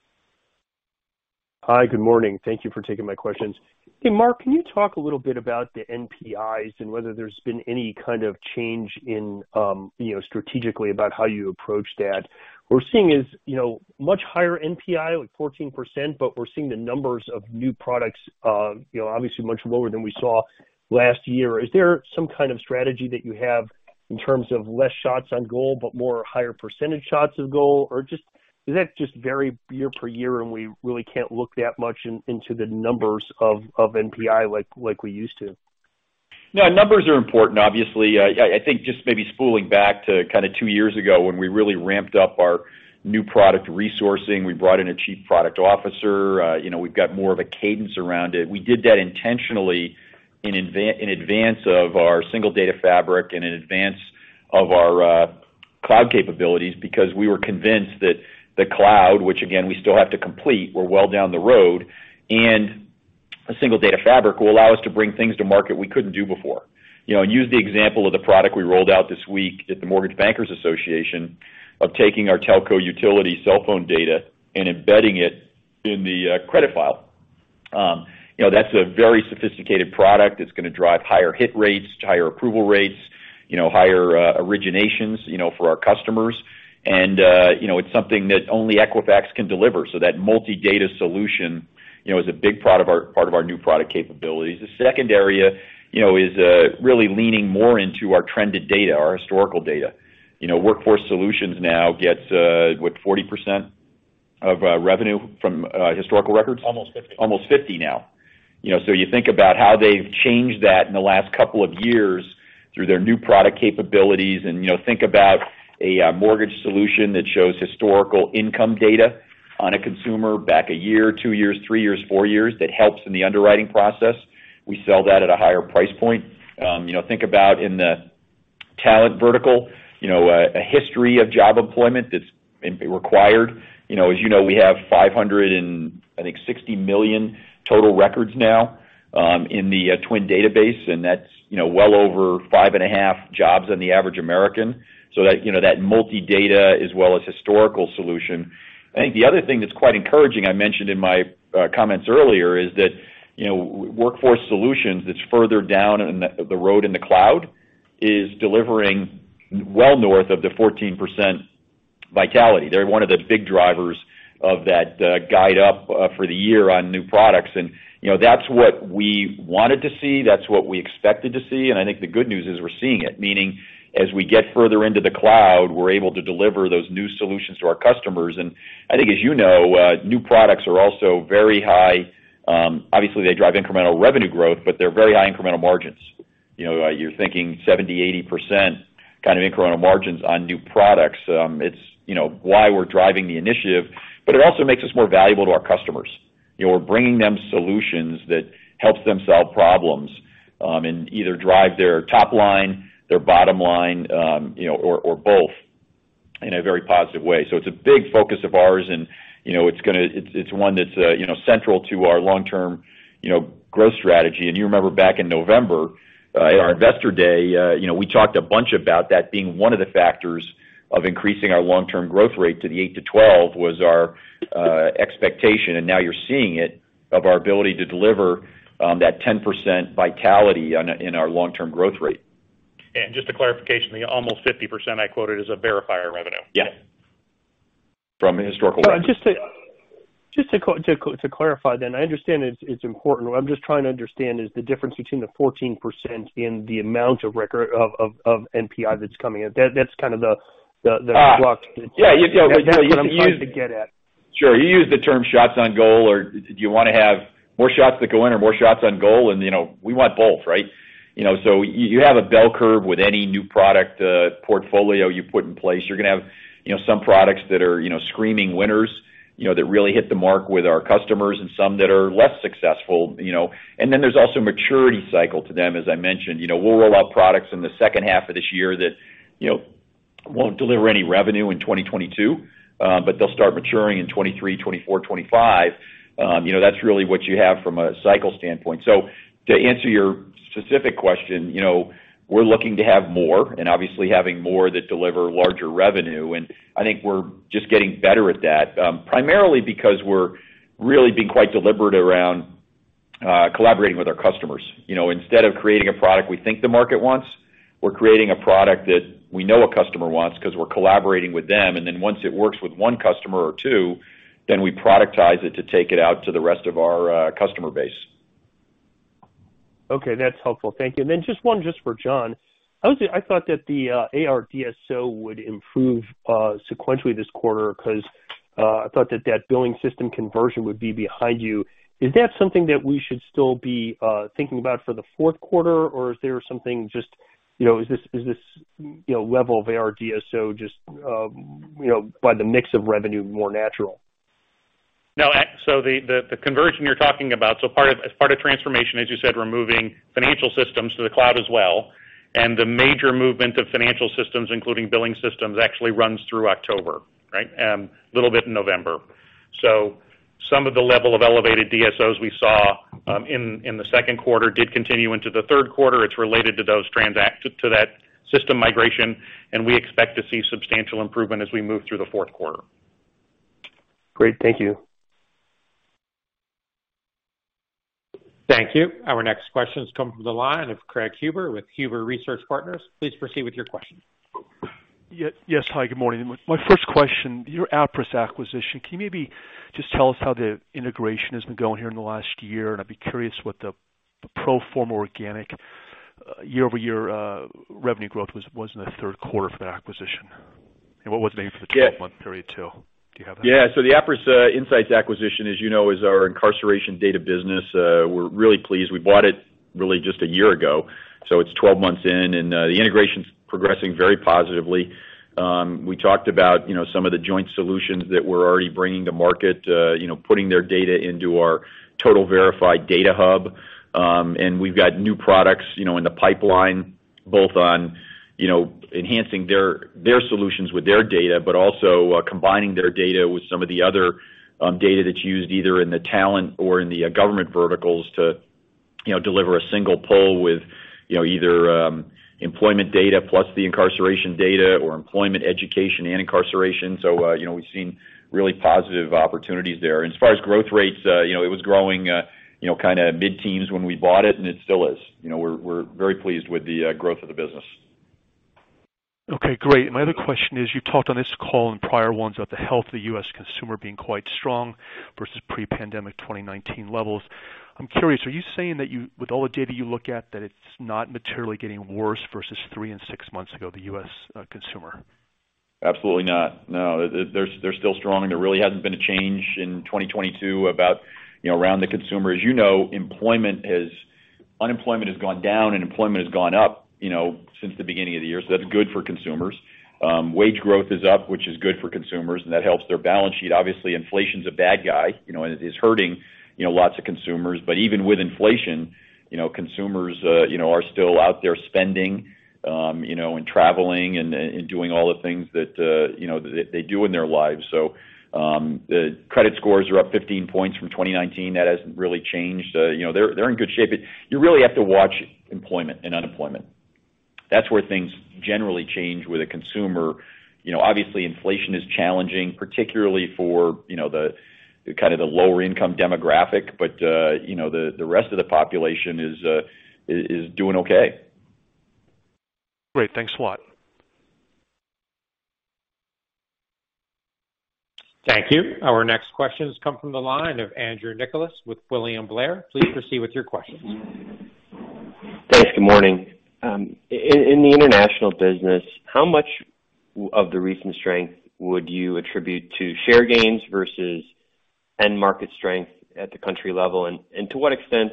Hi, good morning. Thank you for taking my questions. Hey, Mark, can you talk a little bit about the NPIs and whether there's been any kind of change in, you know, strategically about how you approach that? We're seeing, you know, much higher NPI, like 14%, but we're seeing the numbers of new products, you know, obviously much lower than we saw last year. Is there some kind of strategy that you have in terms of less shots on goal, but more higher percentage shots on goal? Or is that just vary year per year and we really can't look that much into the numbers of NPI like we used to? No, numbers are important, obviously. I think just maybe spooling back to kind of two years ago when we really ramped up our new product resourcing. We brought in a chief product officer. You know, we've got more of a cadence around it. We did that intentionally in advance of our Single Data Fabric and in advance of our Cloud capabilities because we were convinced that the Cloud, which again we still have to complete, we're well down the road, and a Single Data Fabric will allow us to bring things to market we couldn't do before. You know, use the example of the product we rolled out this week at the Mortgage Bankers Association of taking our telco utility cell phone data and embedding it in the credit file. You know, that's a very sophisticated product. It's gonna drive higher hit rates, higher approval rates, you know, higher originations, you know, for our customers. You know, it's something that only Equifax can deliver. That multi-data solution, you know, is a big part of our new product capabilities. The second area, you know, is really leaning more into our trended data, our historical data. You know, Workforce Solutions now gets, what, 40% of revenue from historical records? Almost 50%. Almost 50% now. You know, so you think about how they've changed that in the last couple of years through their new product capabilities and, you know, think about a Mortgage solution that shows historical income data on a consumer back a year, two years, three years, four years that helps in the underwriting process. We sell that at a higher price point. You know, think about in the talent vertical, you know, a history of job employment that's required. You know, as you know, we have 500 and, I think, 60 million total records now in the TWN database, and that's, you know, well over 5.5 jobs on the average American. So that, you know, that multi-year data as well as historical solution. I think the other thing that's quite encouraging, I mentioned in my comments earlier, is that, you know, Workforce Solutions that's further down in the road in the Cloud is delivering well north of 14% Vitality. They're one of the big drivers of that, guide up, for the year on new products. You know, that's what we wanted to see. That's what we expected to see. I think the good news is we're seeing it, meaning as we get further into the Cloud, we're able to deliver those new solutions to our customers. I think, as you know, new products are also very high. Obviously they drive incremental revenue growth, but they're very high incremental margins. You know, you're thinking 70%, 80% kind of incremental margins on new products. It's, you know, why we're driving the initiative, but it also makes us more valuable to our customers. You know, we're bringing them solutions that helps them solve problems, and either drive their top line, their bottom line, you know, or both in a very positive way. It's a big focus of ours and, you know, it's one that's, you know, central to our long-term, you know, growth strategy. You remember back in November, at our investor day, you know, we talked a bunch about that being one of the factors of increasing our long-term growth rate to the 8%-12% was our expectation, and now you're seeing it, of our ability to deliver that 10% vitality in our long-term growth rate. Just a clarification, the almost 50% I quoted is a Verifier revenue. Yes. From a historical. Just to clarify, I understand it's important. What I'm just trying to understand is the difference between the 14% in the amount of NPI that's coming in. That's kind of the blocks. Sure. You use the term shots on goal, or do you wanna have more shots that go in or more shots on goal? You know, we want both, right? You know, so you have a bell curve with any new product portfolio you put in place. You're gonna have, you know, some products that are, you know, screaming winners, you know, that really hit the mark with our customers, and some that are less successful, you know. There's also maturity cycle to them, as I mentioned. You know, we'll roll out products in the second half of this year that, you know, won't deliver any revenue in 2022, but they'll start maturing in 2023, 2024, 2025. You know, that's really what you have from a cycle standpoint. To answer your specific question, you know, we're looking to have more, and obviously having more that deliver larger revenue. I think we're just getting better at that, primarily because we're really being quite deliberate around collaborating with our customers. You know, instead of creating a product we think the market wants, we're creating a product that we know a customer wants 'cause we're collaborating with them. Once it works with one customer or two, we productize it to take it out to the rest of our customer base. Okay. That's helpful. Thank you. Just one for John. Honestly, I thought that the A/R DSO would improve sequentially this quarter because I thought that that billing system conversion would be behind you. Is that something that we should still be thinking about for the fourth quarter, or is there something just, you know, is this level of A/R DSO just, you know, by the mix of revenue more natural? No, the conversion you're talking about, as part of transformation, as you said, we're moving financial systems to the Cloud as well. The major movement of financial systems, including billing systems, actually runs through October, right? A little bit in November. Some of the level of elevated DSOs we saw in the second quarter did continue into the third quarter. It's related to that system migration, and we expect to see substantial improvement as we move through the fourth quarter. Great. Thank you. Thank you. Our next question is coming from the line of Craig Huber with Huber Research Partners. Please proceed with your question. Yes. Hi, good morning. My first question, your Appriss acquisition. Can you maybe just tell us how the integration has been going here in the last year? I'd be curious what the pro forma organic year-over-year revenue growth was in the third quarter for the acquisition. What was maybe for the 12-month period too. Do you have that? Yeah. The Appriss Insights acquisition, as you know, is our incarceration data business. We're really pleased. We bought it really just a year ago, so it's 12 months in, and the integration's progressing very positively. We talked about, you know, some of the joint solutions that we're already bringing to market, you know, putting their data into our TotalVerify data hub. And we've got new products, you know, in the pipeline, both on, you know, enhancing their solutions with their data, but also, combining their data with some of the other data that's used either in the talent or in the government verticals to, you know, deliver a single pull with, you know, either employment data plus the incarceration data or employment education and incarceration. You know, we've seen really positive opportunities there. As far as growth rates, you know, it was growing, you know, kinda mid-teens when we bought it, and it still is. You know, we're very pleased with the growth of the business. Okay, great. My other question is, you've talked on this call and prior ones about the health of the U.S. consumer being quite strong versus pre-pandemic 2019 levels. I'm curious, are you saying that, with all the data you look at, that it's not materially getting worse versus three and six months ago, the U.S. consumer? Absolutely not. No. They're still strong, and there really hasn't been a change in 2022 about, you know, around the consumer. As you know, unemployment has gone down and employment has gone up, you know, since the beginning of the year, so that's good for consumers. Wage growth is up, which is good for consumers, and that helps their balance sheet. Obviously, inflation's a bad guy, you know, and it is hurting, you know, lots of consumers. Even with inflation, you know, consumers, you know, are still out there spending, you know, and traveling and doing all the things that, you know, they do in their lives. The credit scores are up 15 points from 2019. That hasn't really changed. You know, they're in good shape. You really have to watch employment and unemployment. That's where things generally change with a consumer. You know, obviously inflation is challenging, particularly for, you know, the kind of lower income demographic, but, you know, the rest of the population is doing okay. Great. Thanks a lot. Thank you. Our next question has come from the line of Andrew Nicholas with William Blair. Please proceed with your questions. Thanks. Good morning. In the International business, how much of the recent strength would you attribute to share gains versus end market strength at the country level? To what extent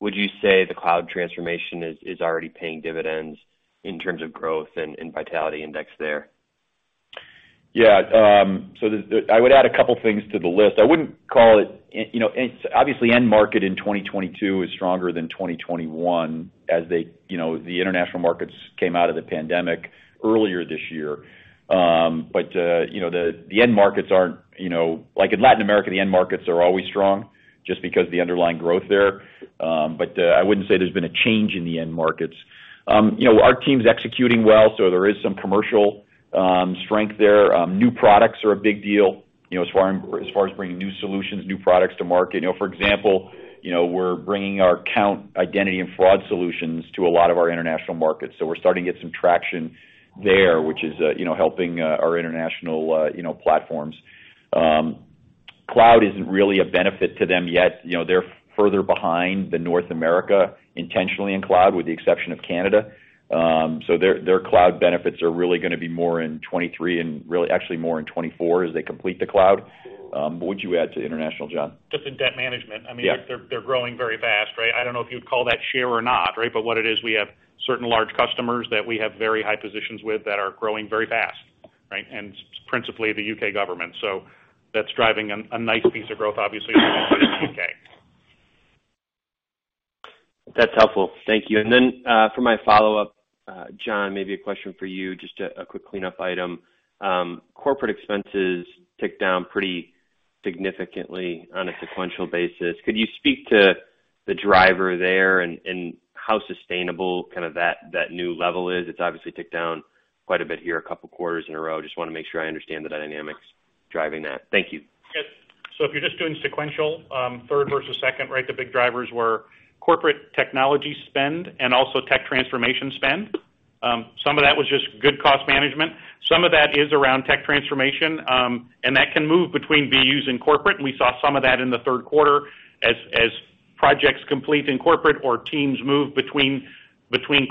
would you say the Cloud transformation is already paying dividends in terms of growth and Vitality Index there? Yeah. I would add a couple things to the list. I wouldn't call it. You know, and obviously end market in 2022 is stronger than 2021 as they, you know, the International markets came out of the pandemic earlier this year. You know, the end markets aren't, you know. Like in Latin America, the end markets are always strong just because the underlying growth there. I wouldn't say there's been a change in the end markets. You know, our team's executing well, so there is some commercial strength there. New products are a big deal. You know, as far as bringing new solutions, new products to market. You know, for example, you know, we're bringing our Kount Identity & Fraud solutions to a lot of our International markets. We're starting to get some traction there, which is you know helping our International you know platforms. Cloud isn't really a benefit to them yet. You know, they're further behind the North America intentionally in Cloud, with the exception of Canada. Their Cloud benefits are really gonna be more in 2023 and really actually more in 2024 as they complete the Cloud. What would you add to International, John? Just in debt management. Yeah. I mean, they're growing very fast, right? I don't know if you'd call that share or not, right? But what it is, we have certain large customers that we have very high positions with that are growing very fast, right? Principally the U.K. government. That's driving a nice piece of growth obviously in the U.K. That's helpful. Thank you. For my follow-up, John, maybe a question for you. Just a quick cleanup item. Corporate expenses ticked down pretty significantly on a sequential basis. Could you speak to the driver there and how sustainable kind of that new level is? It's obviously ticked down quite a bit here a couple quarters in a row. Just wanna make sure I understand the dynamics driving that. Thank you. Yes. If you're just doing sequential, third versus second, right, the big drivers were corporate technology spend and also tech transformation spend. Some of that was just good cost management. Some of that is around tech transformation, and that can move between BUs and corporate, and we saw some of that in the third quarter. As projects complete in corporate or teams move between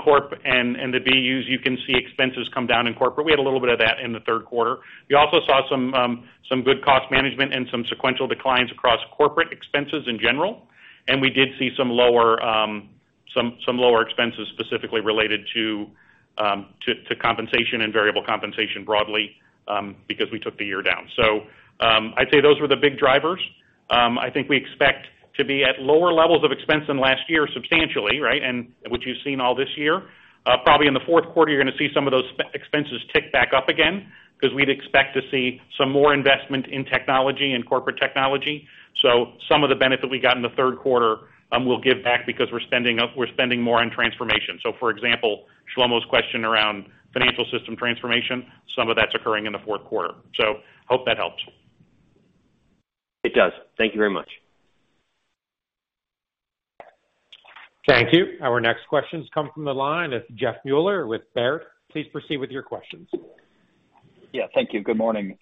corp and the BUs, you can see expenses come down in corporate. We had a little bit of that in the third quarter. We also saw some good cost management and some sequential declines across corporate expenses in general. We did see some lower expenses specifically related to compensation and variable compensation broadly, because we took the year down. I'd say those were the big drivers. I think we expect to be at lower levels of expense than last year substantially, right? Which you've seen all this year. Probably in the fourth quarter, you're gonna see some of those expenses tick back up again because we'd expect to see some more investment in technology and corporate technology. Some of the benefit we got in the third quarter, we'll give back because we're spending more on transformation. For example, Shlomo's question around financial system transformation, some of that's occurring in the fourth quarter. Hope that helps. It does. Thank you very much. Thank you. Our next question comes from the line. It's Jeff Meuler with Baird. Please proceed with your questions. Yeah, thank you. Good morning.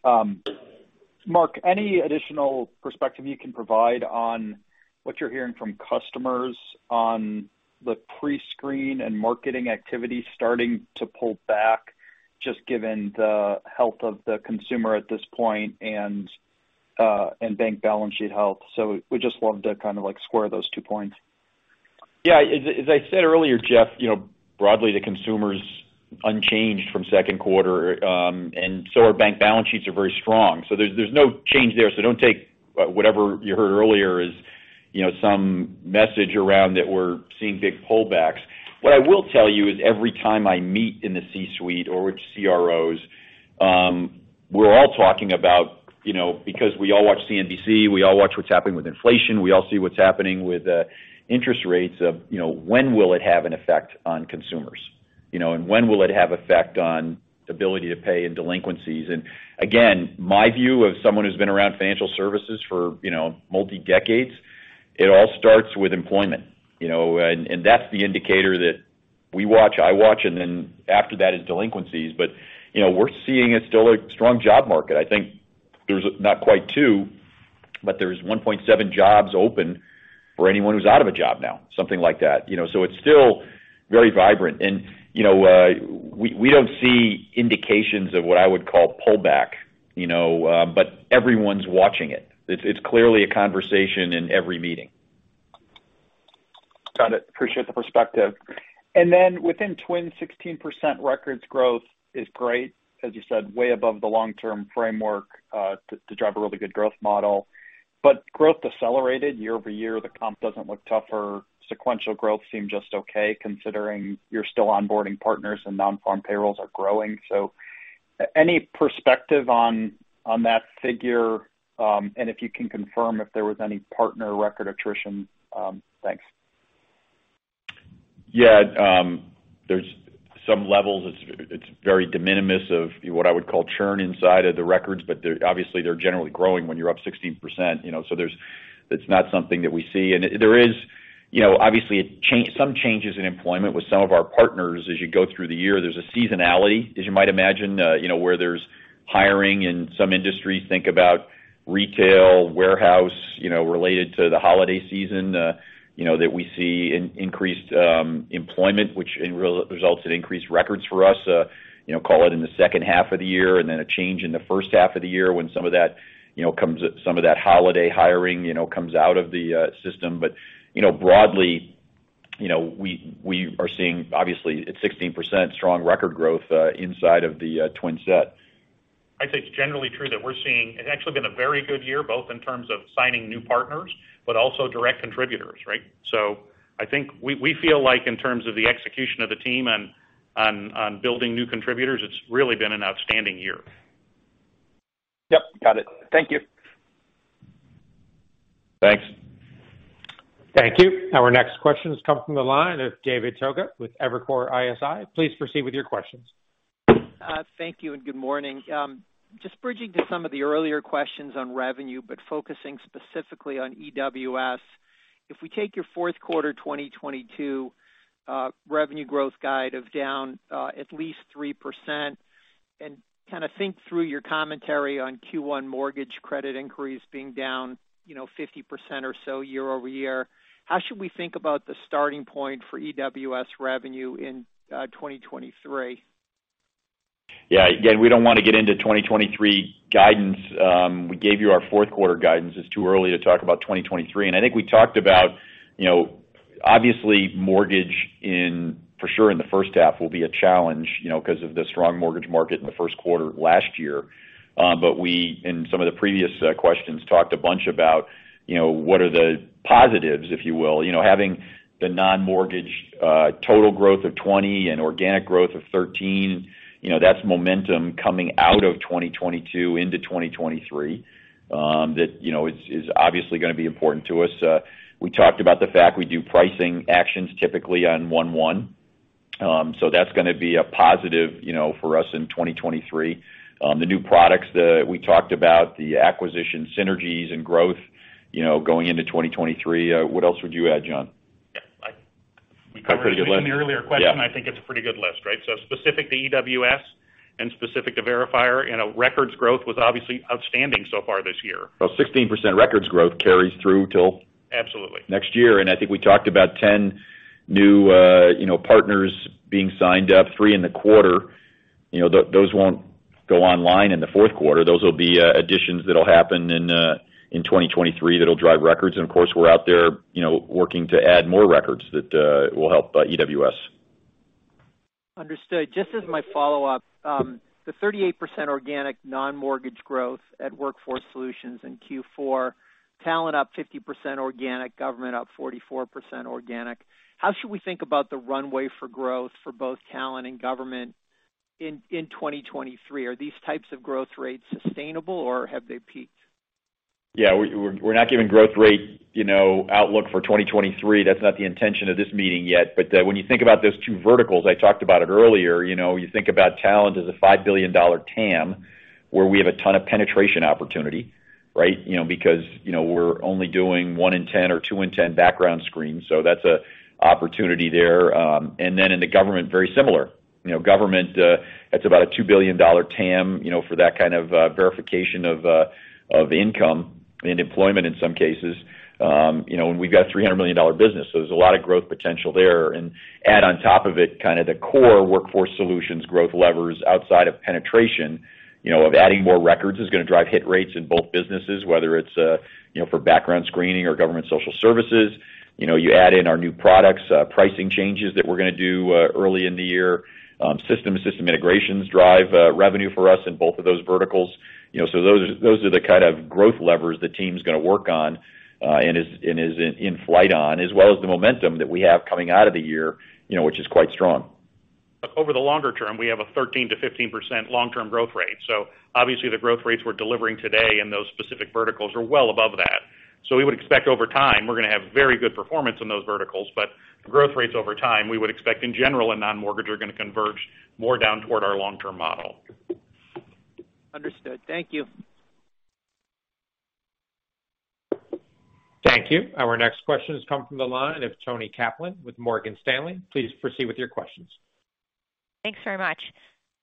Mark, any additional perspective you can provide on what you're hearing from customers on the pre-screen and marketing activity starting to pull back, just given the health of the consumer at this point and bank balance sheet health? We'd just love to kind of like square those two points. Yeah. As I said earlier, Jeff, you know, broadly the consumer's unchanged from second quarter. Our bank balance sheets are very strong. There's no change there. Don't take whatever you heard earlier as, you know, some message around that we're seeing big pullbacks. What I will tell you is every time I meet in the C-suite or with CROs, we're all talking about, you know, because we all watch CNBC, we all watch what's happening with inflation, we all see what's happening with interest rates of, you know, when will it have an effect on consumers, you know? When will it have effect on ability to pay and delinquencies? Again, my view of someone who's been around financial services for, you know, multi decades, it all starts with employment, you know. That's the indicator that we watch, I watch, and then after that is delinquencies. You know, we're seeing still a strong job market. I think there's not quite 2, but there's 1.7 jobs open for anyone who's out of a job now, something like that, you know. It's still very vibrant. You know, we don't see indications of what I would call pullback, you know, but everyone's watching it. It's clearly a conversation in every meeting. Got it. Appreciate the perspective. Within TWN, 16% records growth is great, as you said, way above the long-term framework, to drive a really good growth model. Growth decelerated year-over-year. The comp doesn't look tougher. Sequential growth seemed just okay, considering you're still onboarding partners and non-farm payrolls are growing. Any perspective on that figure, and if you can confirm if there was any partner record attrition, thanks. There's some levels. It's very de minimis of what I would call churn inside of the records, but they're obviously generally growing when you're up 16%, you know. It's not something that we see. There is, you know, obviously some changes in employment with some of our partners as you go through the year. There's a seasonality, as you might imagine, you know, where there's hiring in some industries. Think about retail, warehouse, you know, related to the holiday season, that we see in increased employment, which results in increased records for us, you know, call it in the second half of the year and then a change in the first half of the year when some of that holiday hiring, you know, comes out of the system. Broadly, you know, we are seeing obviously at 16% strong record growth inside of the TWN set. I'd say it's generally true that it's actually been a very good year, both in terms of signing new partners, but also direct contributors, right? I think we feel like in terms of the execution of the team on building new contributors, it's really been an outstanding year. Yep, got it. Thank you. Thanks. Thank you. Our next question has come from the line of David Togut with Evercore ISI. Please proceed with your questions. Thank you and good morning. Just bridging to some of the earlier questions on revenue, but focusing specifically on EWS. If we take your fourth quarter 2022 revenue growth guide of down at least 3% and kinda think through your commentary on Q1 Mortgage credit inquiries being down, you know, 50% or so year-over-year, how should we think about the starting point for EWS revenue in 2023? Yeah. Again, we don't wanna get into 2023 guidance. We gave you our fourth quarter guidance. It's too early to talk about 2023. I think we talked about, you know, obviously Mortgage for sure in the first half will be a challenge, you know, 'cause of the strong Mortgage market in the first quarter of last year. We, in some of the previous questions, talked a bunch about, you know, what are the positives, if you will. You know, having the Non-Mortgage total growth of 20% and organic growth of 13%, you know, that's momentum coming out of 2022 into 2023, that, you know, is obviously gonna be important to us. We talked about the fact we do pricing actions typically on 1/1. That's gonna be a positive, you know, for us in 2023. The new products that we talked about, the acquisition synergies and growth, you know, going into 2023. What else would you add, John? Pretty good list? Yeah. We covered in the earlier question. I think it's a pretty good list, right? Specific to EWS and specific to Verifier, you know, records growth was obviously outstanding so far this year. Well, 16% record growth carries through till next year. Absolutely. I think we talked about 10 new, you know, partners being signed up, three in the quarter. You know, those won't go online in the fourth quarter. Those will be additions that'll happen in 2023 that'll drive records. Of course, we're out there, you know, working to add more records that will help EWS. Understood. Just as my follow-up, the 38% organic Non-Mortgage growth at Workforce Solutions in Q4, talent up 50% organic, government up 44% organic. How should we think about the runway for growth for both talent and government in 2023? Are these types of growth rates sustainable, or have they peaked? Yeah. We're not giving growth rate, you know, outlook for 2023. That's not the intention of this meeting yet. When you think about those two verticals, I talked about it earlier, you know, you think about talent as a $5 billion TAM where we have a ton of penetration opportunity, right? You know, because, you know, we're only doing 1 in 10 or 2 in 10 background screens, so that's an opportunity there. Then in the government, very similar. You know, government, that's about a $2 billion TAM, you know, for that kind of verification of income and employment in some cases. You know, and we've got $300 million business, so there's a lot of growth potential there. Add on top of it kinda the core Workforce Solutions growth levers outside of penetration, you know, of adding more records is gonna drive hit rates in both businesses, whether it's, you know, for background screening or government social services. You know, you add in our new products, pricing changes that we're gonna do, early in the year. System-to-system integrations drive revenue for us in both of those verticals. You know, those are the kind of growth levers the team's gonna work on, and is in flight on, as well as the momentum that we have coming out of the year, you know, which is quite strong. Over the longer term, we have a 13%-15% long-term growth rate. Obviously the growth rates we're delivering today in those specific verticals are well above that. We would expect over time, we're gonna have very good performance in those verticals. Growth rates over time, we would expect in general and Non-Mortgage are gonna converge more down toward our long-term model. Understood. Thank you. Thank you. Our next question has come from the line of Toni Kaplan with Morgan Stanley. Please proceed with your questions. Thanks very much.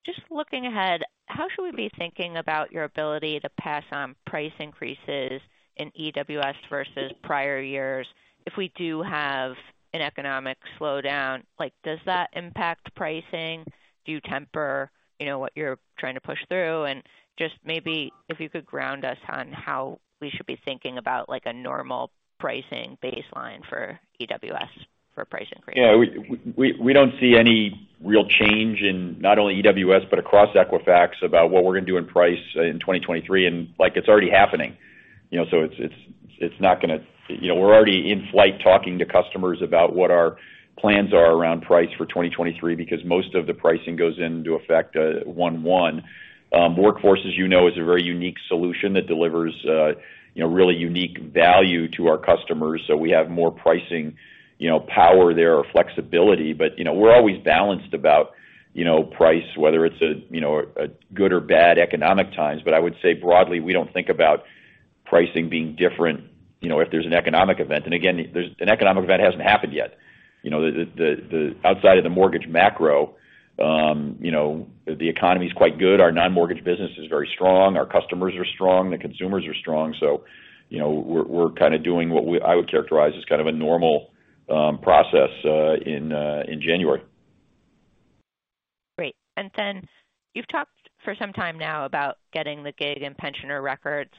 Just looking ahead, how should we be thinking about your ability to pass on price increases in EWS versus prior years if we do have an economic slowdown? Like, does that impact pricing? Do you temper, you know, what you're trying to push through? Just maybe if you could ground us on how we should be thinking about, like, a normal pricing baseline for EWS for pricing increases. Yeah. We don't see any real change in not only EWS, but across Equifax about what we're gonna do in price in 2023, and like, it's already happening. You know, we're already in flight talking to customers about what our plans are around price for 2023 because most of the pricing goes into effect 1/1. Workforce, as you know, is a very unique solution that delivers you know, really unique value to our customers. So we have more pricing you know, power there or flexibility. But you know, we're always balanced about you know, price, whether it's a you know, a good or bad economic times. But I would say broadly, we don't think about pricing being different you know, if there's an economic event. Again, there's an economic event hasn't happened yet. You know, the outside of the Mortgage macro, you know, the economy is quite good. Our Non-Mortgage business is very strong. Our customers are strong. The consumers are strong. You know, we're kinda doing I would characterize as kind of a normal process in January. Great. You've talked for some time now about getting the gig and pensioner records.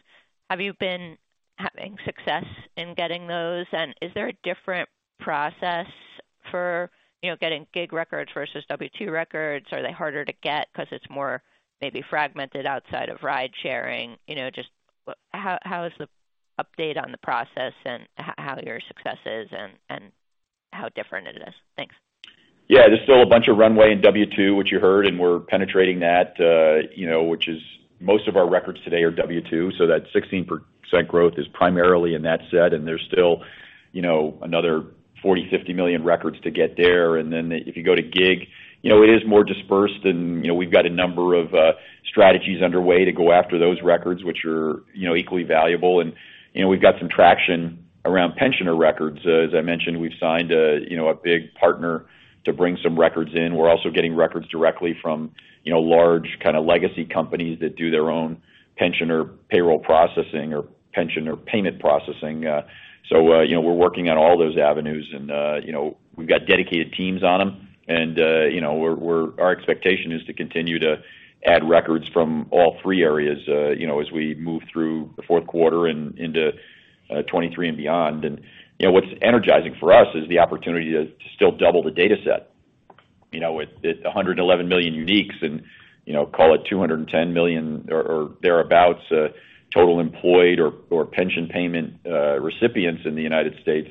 Have you been having success in getting those? Is there a different process for, you know, getting gig records versus W-2 records? Are they harder to get 'cause it's more maybe fragmented outside of ride sharing? You know, just how is the update on the process and how your success is and how different it is? Thanks. Yeah, there's still a bunch of runway in W-2, which you heard, and we're penetrating that, you know, which is most of our records today are W-2, so that 16% growth is primarily in that set. There's still, you know, another 40 million-50 million records to get there. Then if you go to Gig, you know, it is more dispersed and, you know, we've got a number of strategies underway to go after those records, which are, you know, equally valuable. You know, we've got some traction around pensioner records. As I mentioned, we've signed a, you know, a big partner to bring some records in. We're also getting records directly from, you know, large kind of legacy companies that do their own pension or payroll processing or pension or payment processing. You know, we're working on all those avenues and, you know, we've got dedicated teams on them. You know, our expectation is to continue to add records from all three areas, you know, as we move through the fourth quarter and into 2023 and beyond. You know, what's energizing for us is the opportunity to still double the data set, you know, with 111 million uniques and, you know, call it 210 million or thereabouts, total employed or pension payment recipients in the United States.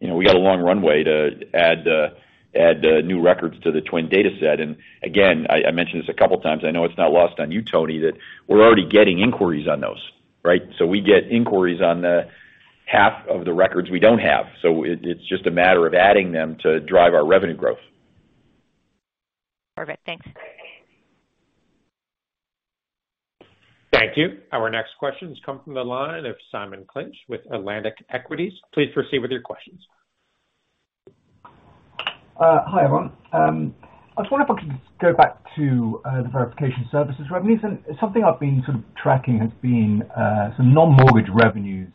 You know, we got a long runway to add new records to the TWN data set. Again, I mentioned this a couple of times. I know it's not lost on you, Tony, that we're already getting inquiries on those, right? We get inquiries on the half of the records we don't have. It's just a matter of adding them to drive our revenue growth. Perfect. Thanks. Thank you. Our next question comes from the line of Simon Clinch with Atlantic Equities. Please proceed with your questions. Hi, everyone. I just wonder if I can go back to the Verification Services revenues. Something I've been sort of tracking has been some Non-Mortgage revenues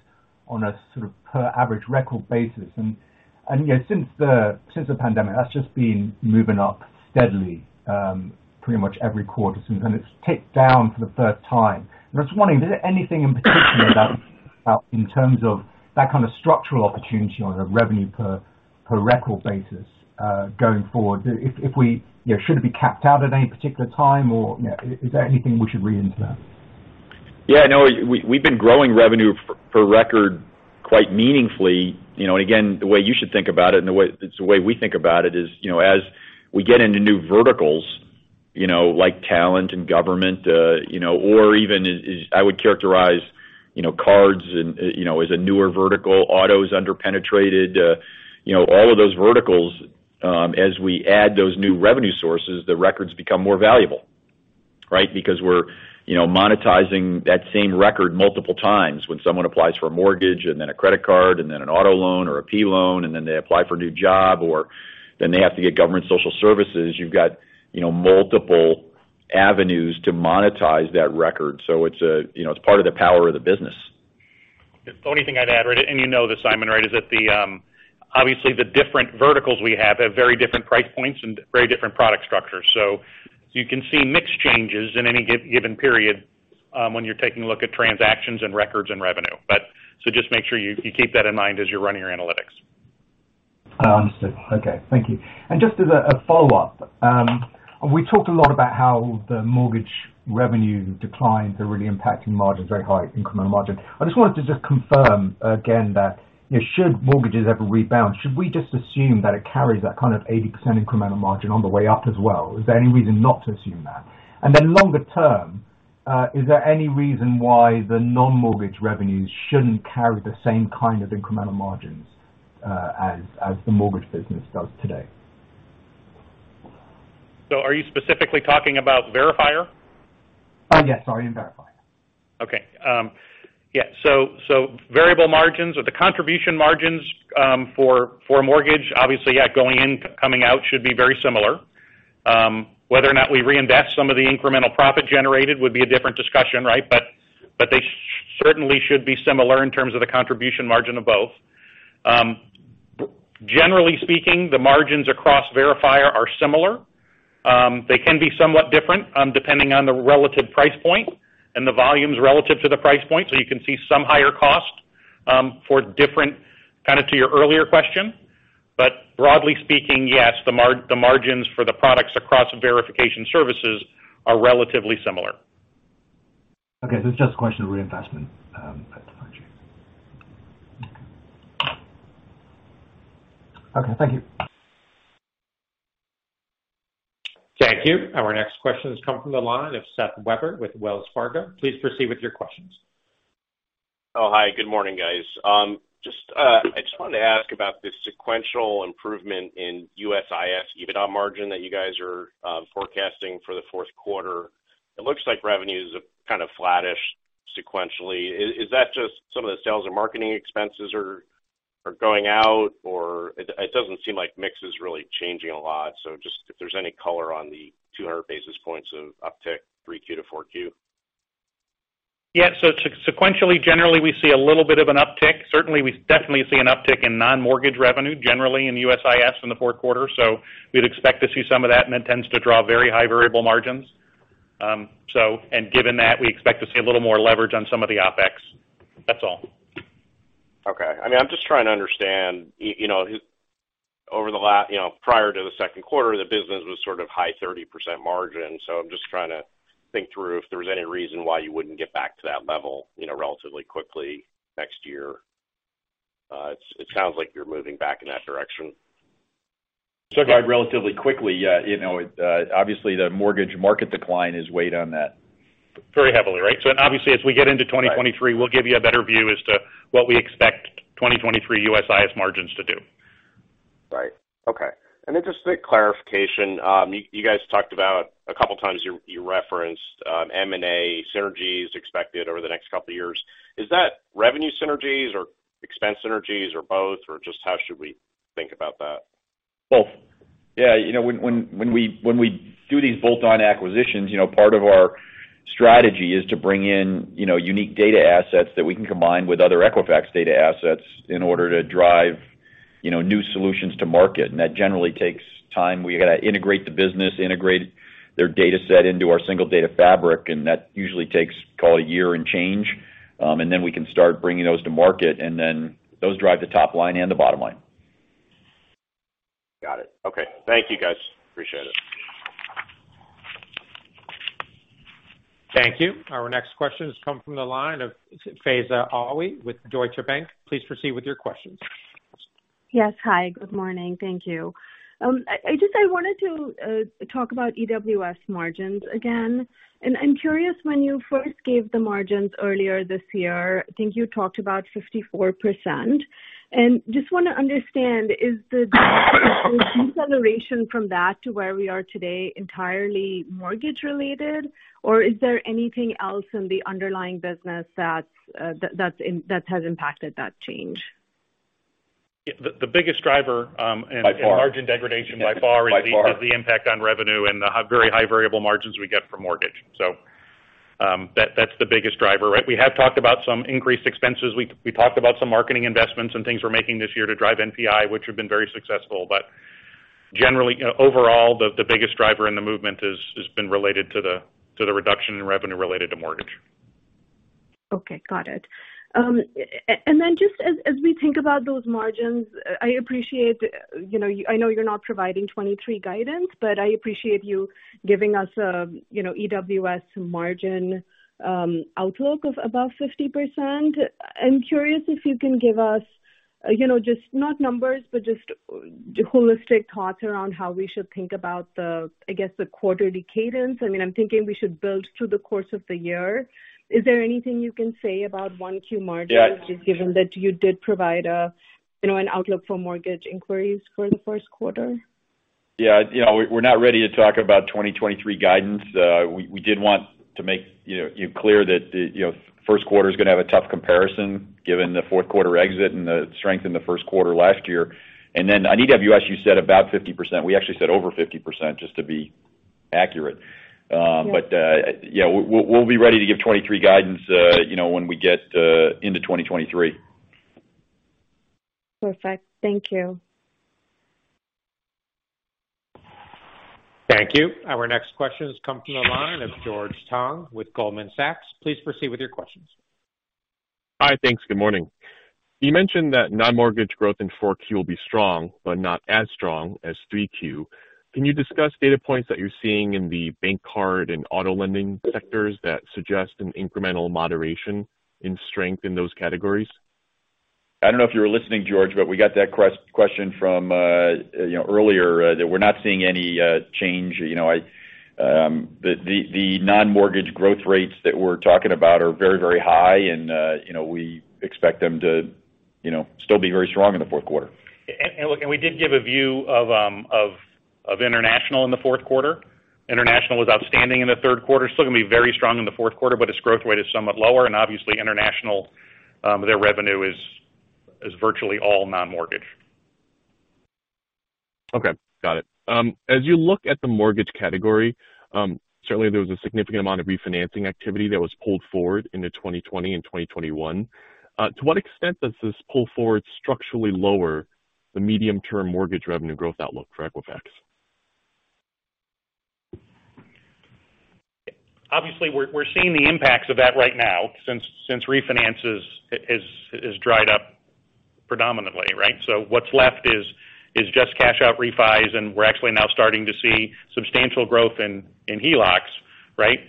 on a sort of per average record basis. Yet since the pandemic, that's just been moving up steadily, pretty much every quarter since then. It's ticked down for the first time. I was wondering, is there anything in particular about, in terms of that kind of structural opportunity on a revenue per record basis, going forward? If we—you know, should it be capped out at any particular time or, you know, is there anything we should read into that? Yeah, no, we've been growing revenue for record quite meaningfully. You know, and again, the way you should think about it and the way, it's the way we think about it is, you know, as we get into new verticals, you know, like talent and government, you know, or even as I would characterize, you know, cards and, you know, as a newer vertical, auto is under penetrated, you know, all of those verticals, as we add those new revenue sources, the records become more valuable, right? Because we're, you know, monetizing that same record multiple times when someone applies for a Mortgage and then a credit card and then an auto loan or a pay loan, and then they apply for a new job, or then they have to get government social services. You've got, you know, multiple avenues to monetize that record. It's a, you know, it's part of the power of the business. The only thing I'd add, right, and you know this, Simon, right, is that the obviously the different verticals we have have very different price points and very different product structures. You can see mix changes in any given period when you're taking a look at transactions and records and revenue. Just make sure you keep that in mind as you're running your analytics. Understood. Okay. Thank you. Just as a follow-up. We talked a lot about how the Mortgage revenue declines are really impacting margins, very high incremental margin. I just wanted to just confirm again that should Mortgages ever rebound, should we just assume that it carries that kind of 80% incremental margin on the way up as well? Is there any reason not to assume that? Longer term, is there any reason why the Non-Mortgage revenues shouldn't carry the same kind of incremental margins, as the Mortgage business does today? Are you specifically talking about Verifier? Yes, sorry, in Verifier. Okay. Yeah. Variable margins or the contribution margins for Mortgage, obviously, going in, coming out should be very similar. Whether or not we reinvest some of the incremental profit generated would be a different discussion, right? They certainly should be similar in terms of the contribution margin of both. Generally speaking, the margins across Verifier are similar. They can be somewhat different depending on the relative price point and the volumes relative to the price point. You can see some higher cost for different, kinda to your earlier question. Broadly speaking, yes, the margins for the products across Verification Services are relatively similar. Okay. It's just a question of reinvestment at the margin. Okay. Thank you. Thank you. Our next question has come from the line of Seth Weber with Wells Fargo. Please proceed with your questions. Oh, hi, good morning, guys. Just, I just wanted to ask about the sequential improvement in USIS EBITDA margin that you guys are forecasting for the fourth quarter. It looks like revenue is kind of flattish sequentially. Is that just some of the sales or marketing expenses are going out or it doesn't seem like mix is really changing a lot. Just if there's any color on the 200 basis points of uptick 3Q to 4Q. Sequentially, generally, we see a little bit of an uptick. Certainly, we definitely see an uptick in Non-Mortgage revenue, generally in USIS in the fourth quarter. We'd expect to see some of that and it tends to draw very high variable margins. Given that, we expect to see a little more leverage on some of the OpEx. That's all. Okay. I mean, I'm just trying to understand, you know, over the last, you know, prior to the second quarter, the business was sort of high 30% margin. I'm just trying to think through if there was any reason why you wouldn't get back to that level, you know, relatively quickly next year. It sounds like you're moving back in that direction. I relatively quickly, you know, obviously the Mortgage market decline has weighed on that. Very heavily, right? Obviously, as we get into 2023, we'll give you a better view as to what we expect 2023 USIS margins to do. Right. Okay. Just a clarification. You guys talked about a couple of times you referenced M&A synergies expected over the next couple of years. Is that revenue synergies or expense synergies or both? Or just how should we think about that? Both. Yeah. You know, when we do these bolt-on acquisitions, you know, part of our strategy is to bring in, you know, unique data assets that we can combine with other Equifax data assets in order to drive, you know, new solutions to market. That generally takes time. We've got to integrate the business, integrate their data set into our Single Data Fabric, and that usually takes, call it, a year and change. We can start bringing those to market, and then those drive the top line and the bottom line. Got it. Okay. Thank you, guys. Appreciate it. Thank you. Our next question has come from the line of Faiza Alwy with Deutsche Bank. Please proceed with your questions. Yes. Hi. Good morning. Thank you. I wanted to talk about EWS margins again. I'm curious when you first gave the margins earlier this year, I think you talked about 54%. Just wanna understand, is the deceleration from that to where we are today entirely Mortgage-related, or is there anything else in the underlying business that's that has impacted that change? The biggest driver in margin degradation by far is the impact on revenue and the very high variable margins we get from Mortgage. That's the biggest driver. We have talked about some increased expenses. We talked about some marketing investments and things we're making this year to drive NPI, which have been very successful. Generally, overall, the biggest driver in the movement has been related to the reduction in revenue related to Mortgage. Okay, got it. Just as we think about those margins, I appreciate, you know, I know you're not providing 2023 guidance, but I appreciate you giving us a, you know, EWS margin outlook of above 50%. I'm curious if you can give us, you know, just not numbers, but just holistic thoughts around how we should think about the, I guess, the quarterly cadence. I mean, I'm thinking we should build through the course of the year. Is there anything you can say about 1Q margin just given that you did provide a, you know, an outlook for Mortgage inquiries for the first quarter? Yeah. You know, we're not ready to talk about 2023 guidance. We did want to make clear to you that the first quarter is going to have a tough comparison given the fourth quarter exit and the strength in the first quarter last year. On EWS, you said about 50%. We actually said over 50% just to be accurate. But yeah, we'll be ready to give 2023 guidance, you know, when we get into 2023. Perfect. Thank you. Thank you. Our next question has come from the line of George Tong with Goldman Sachs. Please proceed with your questions. Hi. Thanks. Good morning. You mentioned that Non-Mortgage growth in 4Q will be strong but not as strong as 3Q. Can you discuss data points that you're seeing in the bank card and auto lending sectors that suggest an incremental moderation in strength in those categories? I don't know if you were listening, George Tong, but we got that question from, you know, earlier, that we're not seeing any change. You know, the Non-Mortgage growth rates that we're talking about are very, very high and, you know, we expect them to, you know, still be very strong in the fourth quarter. We did give a view of International in the fourth quarter. International was outstanding in the third quarter. Still going to be very strong in the fourth quarter, but its growth rate is somewhat lower. Obviously, International, their revenue is virtually all Non-Mortgage. Okay, got it. As you look at the Mortgage category, certainly there was a significant amount of refinancing activity that was pulled forward into 2020 and 2021. To what extent does this pull forward structurally lower the medium-term Mortgage revenue growth outlook for Equifax? Obviously, we're seeing the impacts of that right now since refinances has dried up predominantly, right? What's left is just cash out refis, and we're actually now starting to see substantial growth in HELOCs, right?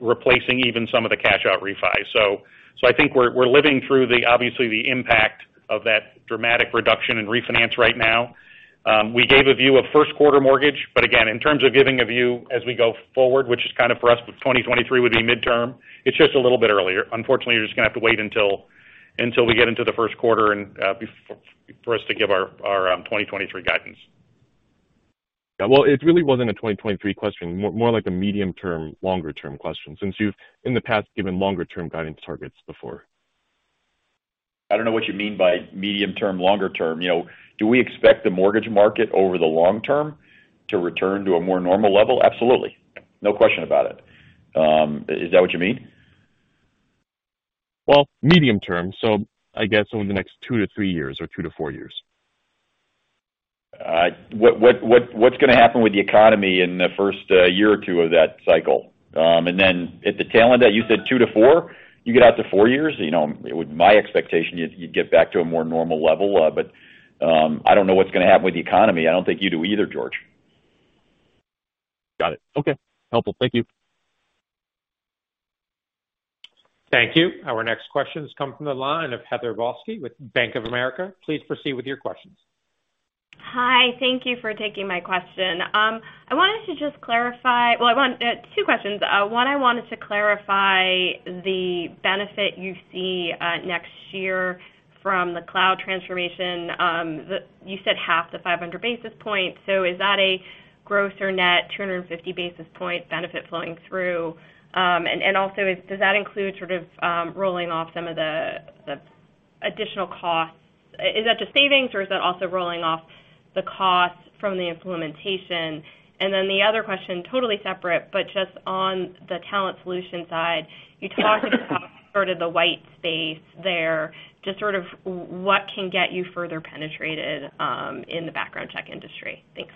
Replacing even some of the cash out refis. I think we're living through obviously the impact of that dramatic reduction in refinance right now. We gave a view of first quarter Mortgage, but again, in terms of giving a view as we go forward, which is kind of for us, but 2023 would be midterm. It's just a little bit earlier. Unfortunately, you're just going to have to wait until we get into the first quarter and for us to give our 2023 guidance. Yeah. Well, it really wasn't a 2023 question. More like a medium-term, longer-term question since you've, in the past, given longer-term guidance targets before. I don't know what you mean by medium term, longer term. You know, do we expect the Mortgage market over the long term to return to a more normal level? Absolutely. No question about it. Is that what you mean? Well, medium term. I guess in the next two to three years or two to four years. What's going to happen with the economy in the first year or two of that cycle? At the tail end that you said two to four, you get out to four years. You know, with my expectation, you'd get back to a more normal level. I don't know what's going to happen with the economy. I don't think you do either, George. Got it. Okay. Helpful. Thank you. Thank you. Our next question has come from the line of Heather Balsky with Bank of America. Please proceed with your questions. Hi. Thank you for taking my question. Well, I want two questions. One, I wanted to clarify the benefit you see next year from the Cloud transformation you said half the 500 basis points, so is that a gross or net 250 basis point benefit flowing through? And also does that include sort of rolling off some of the additional costs? Is that the savings, or is that also rolling off the cost from the implementation? The other question, totally separate, but just on the talent solution side, you talked about sort of the white space there. Just sort of what can get you further penetrated in the background check industry? Thanks.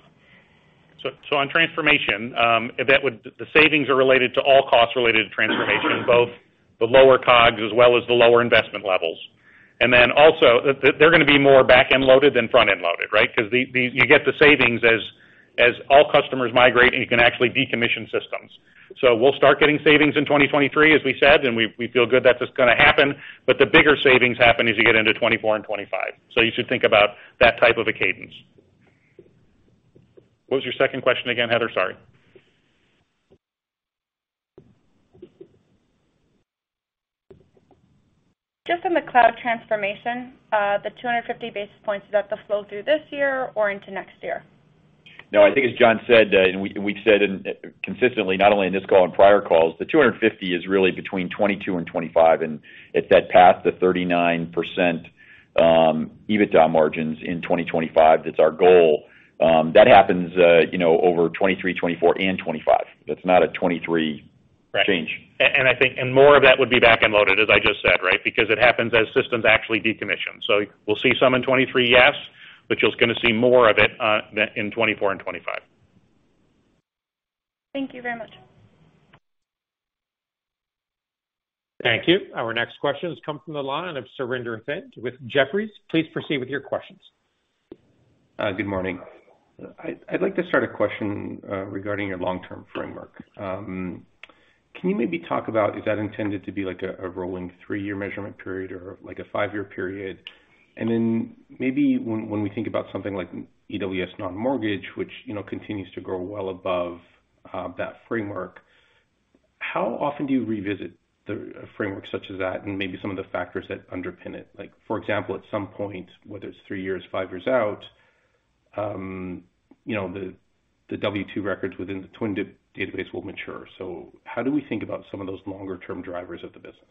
On transformation, the savings are related to all costs related to transformation, both the lower COGS as well as the lower investment levels. They're gonna be more back-end loaded than front-end loaded, right? 'Cause you get the savings as all customers migrate, and you can actually decommission systems. We'll start getting savings in 2023, as we said, and we feel good that that's gonna happen. The bigger savings happen as you get into 2024 and 2025. You should think about that type of a cadence. What was your second question again, Heather? Sorry. Just on the Cloud transformation, the 250 basis points, is that the flow through this year or into next year? No, I think as John said, and we've said consistently, not only in this call, on prior calls, the 250 is really between 2022 and 2025, and it's that path to 39% EBITDA margins in 2025 that's our goal. That happens, you know, over 2023, 2024 and 2025. That's not a 2023 change. I think more of that would be back-end loaded, as I just said, right? Because it happens as systems actually decommission. We'll see some in 2023, yes, but you're gonna see more of it in 2024 and 2025. Thank you very much. Thank you. Our next question has come from the line of Surinder Thind with Jefferies. Please proceed with your questions. Good morning. I'd like to start with a question regarding your long-term framework. Can you maybe talk about, is that intended to be like a rolling three-year measurement period or like a five-year period? And then maybe when we think about something like EWS Non-Mortgage, which, you know, continues to grow well above that framework, how often do you revisit the framework like that and maybe some of the factors that underpin it? Like, for example, at some point, whether it's three years, five years out, you know, the W-2 records within the TWN database will mature. How do we think about some of those longer-term drivers of the business?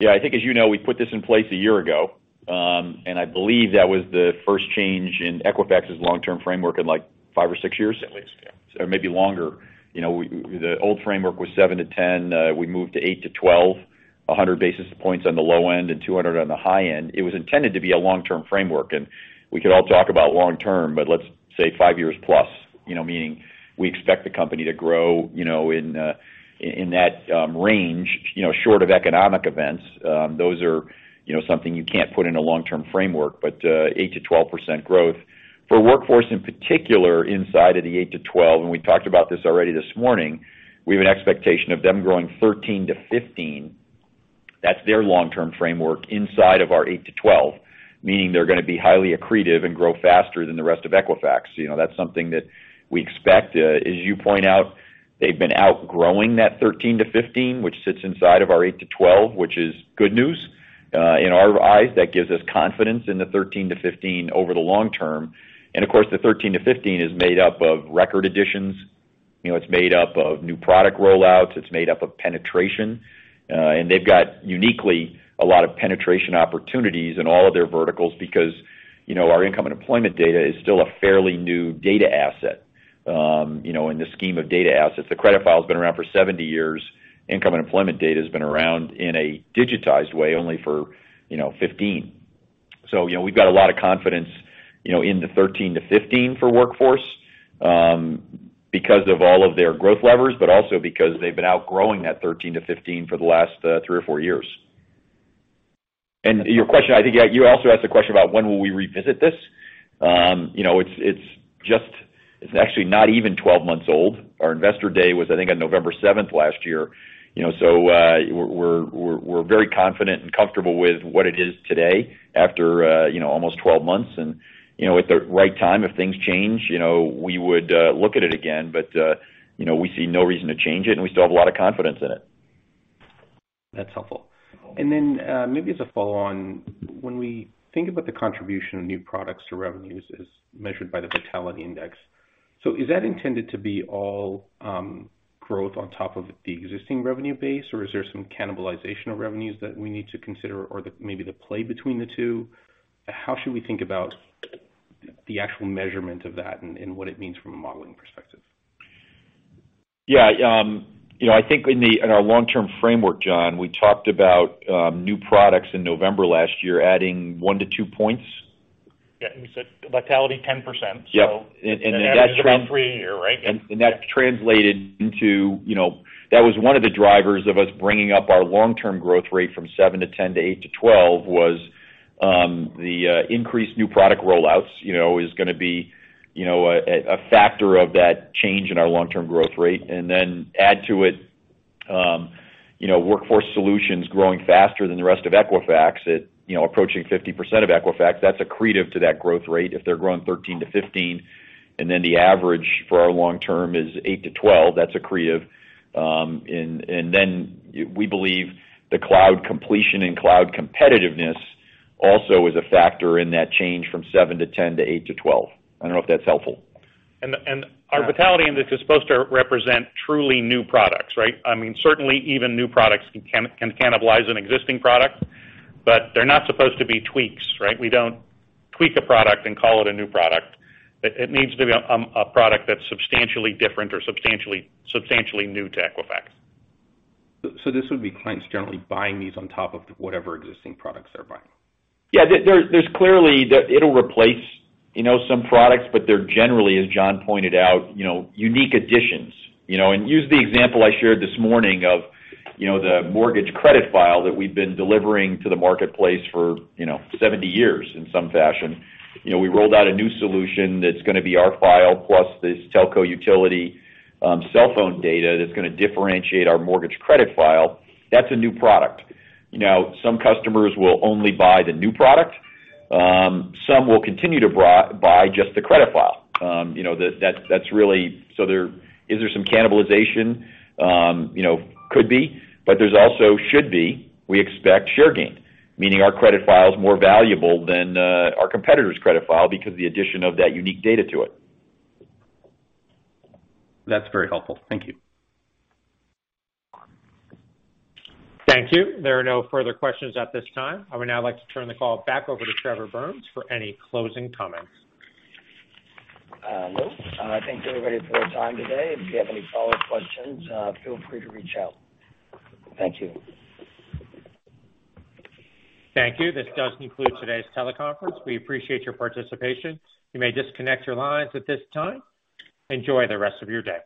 Yeah. I think as you know, we put this in place a year ago, and I believe that was the first change in Equifax's long-term framework in, like, five or six years at least. Maybe longer. The old framework was 7%-10%. We moved to 8%-12%, 100 basis points on the low end and 200 on the high end. It was intended to be a long-term framework, and we could all talk about long-term, but let's say five years plus. Meaning we expect the company to grow in that range short of economic events. Those are something you can't put in a long-term framework, but 8%-12% growth. For Workforce in particular, inside of the 8%-12%, and we talked about this already this morning, we have an expectation of them growing 13%-15%. That's their long-term framework inside of our 8%-12%, meaning they're gonna be highly accretive and grow faster than the rest of Equifax. You know, that's something that we expect. As you point out, they've been outgrowing that 13%-15%, which sits inside of our 8%-12%, which is good news. In our eyes, that gives us confidence in the 13%-15% over the long term. Of course, the 13%-15% is made up of record additions. You know, it's made up of new product rollouts. It's made up of penetration. They've got uniquely a lot of penetration opportunities in all of their verticals because, you know, our income and employment data is still a fairly new data asset. You know, in the scheme of data assets, the credit file's been around for 70 years. Income and employment data has been around in a digitized way only for, you know, 15%. So, you know, we've got a lot of confidence, you know, in the 13%-15% for Workforce, because of all of their growth levers, but also because they've been outgrowing that 13%-15% for the last, three or four years. Your question, I think you also asked a question about when will we revisit this? You know, it's just. It's actually not even 12 months old. Our investor day was, I think, on November seventh last year. You know, so, we're very confident and comfortable with what it is today after, you know, almost 12 months. You know, at the right time, if things change, you know, we would look at it again. You know, we see no reason to change it, and we still have a lot of confidence in it. That's helpful. Maybe as a follow-on, when we think about the contribution of new products to revenues as measured by the Vitality Index, so is that intended to be all, growth on top of the existing revenue base, or is there some cannibalization of revenues that we need to consider or maybe the play between the two? How should we think about the actual measurement of that and what it means from a modeling perspective? You know, I think in our long-term framework, John, we talked about new products in November last year adding 1-2 points. Yeah. We said Vitality 10%. Yeah. That's about three a year, right? That translated into, you know, that was one of the drivers of us bringing up our long-term growth rate from 7%-10% to 8%-12%. The increased new product rollouts, you know, is gonna be, you know, a factor of that change in our long-term growth rate. Add to it, you know, Workforce Solutions growing faster than the rest of Equifax at, you know, approaching 50% of Equifax, that's accretive to that growth rate if they're growing 13%-15%, and then the average for our long-term is 8%-12%, that's accretive. We believe the Cloud completion and Cloud competitiveness also is a factor in that change from 7%-10% to 8%-12%. I don't know if that's helpful. Our Vitality in this is supposed to represent truly new products, right? I mean, certainly even new products can cannibalize an existing product, but they're not supposed to be tweaks, right? We don't tweak a product and call it a new product. It needs to be a product that's substantially different or substantially new to Equifax. This would be clients generally buying these on top of whatever existing products they're buying. Yeah. There's clearly that it'll replace, you know, some products, but they're generally, as John pointed out, you know, unique additions. You know, and use the example I shared this morning of, you know, the Mortgage credit file that we've been delivering to the marketplace for, you know, 70 years in some fashion. You know, we rolled out a new solution that's gonna be our file, plus this telco utility, cell phone data that's gonna differentiate our Mortgage credit file. That's a new product. You know, some customers will only buy the new product. Some will continue to buy just the credit file. You know, that's really. Is there some cannibalization? You know, could be, but there should also be we expect share gain, meaning our credit file is more valuable than our competitor's credit file because of the addition of that unique data to it. That's very helpful. Thank you. Thank you. There are no further questions at this time. I would now like to turn the call back over to Trevor Burns for any closing comments. No. I thank everybody for their time today. If you have any follow-up questions, feel free to reach out. Thank you. Thank you. This does conclude today's teleconference. We appreciate your participation. You may disconnect your lines at this time. Enjoy the rest of your day.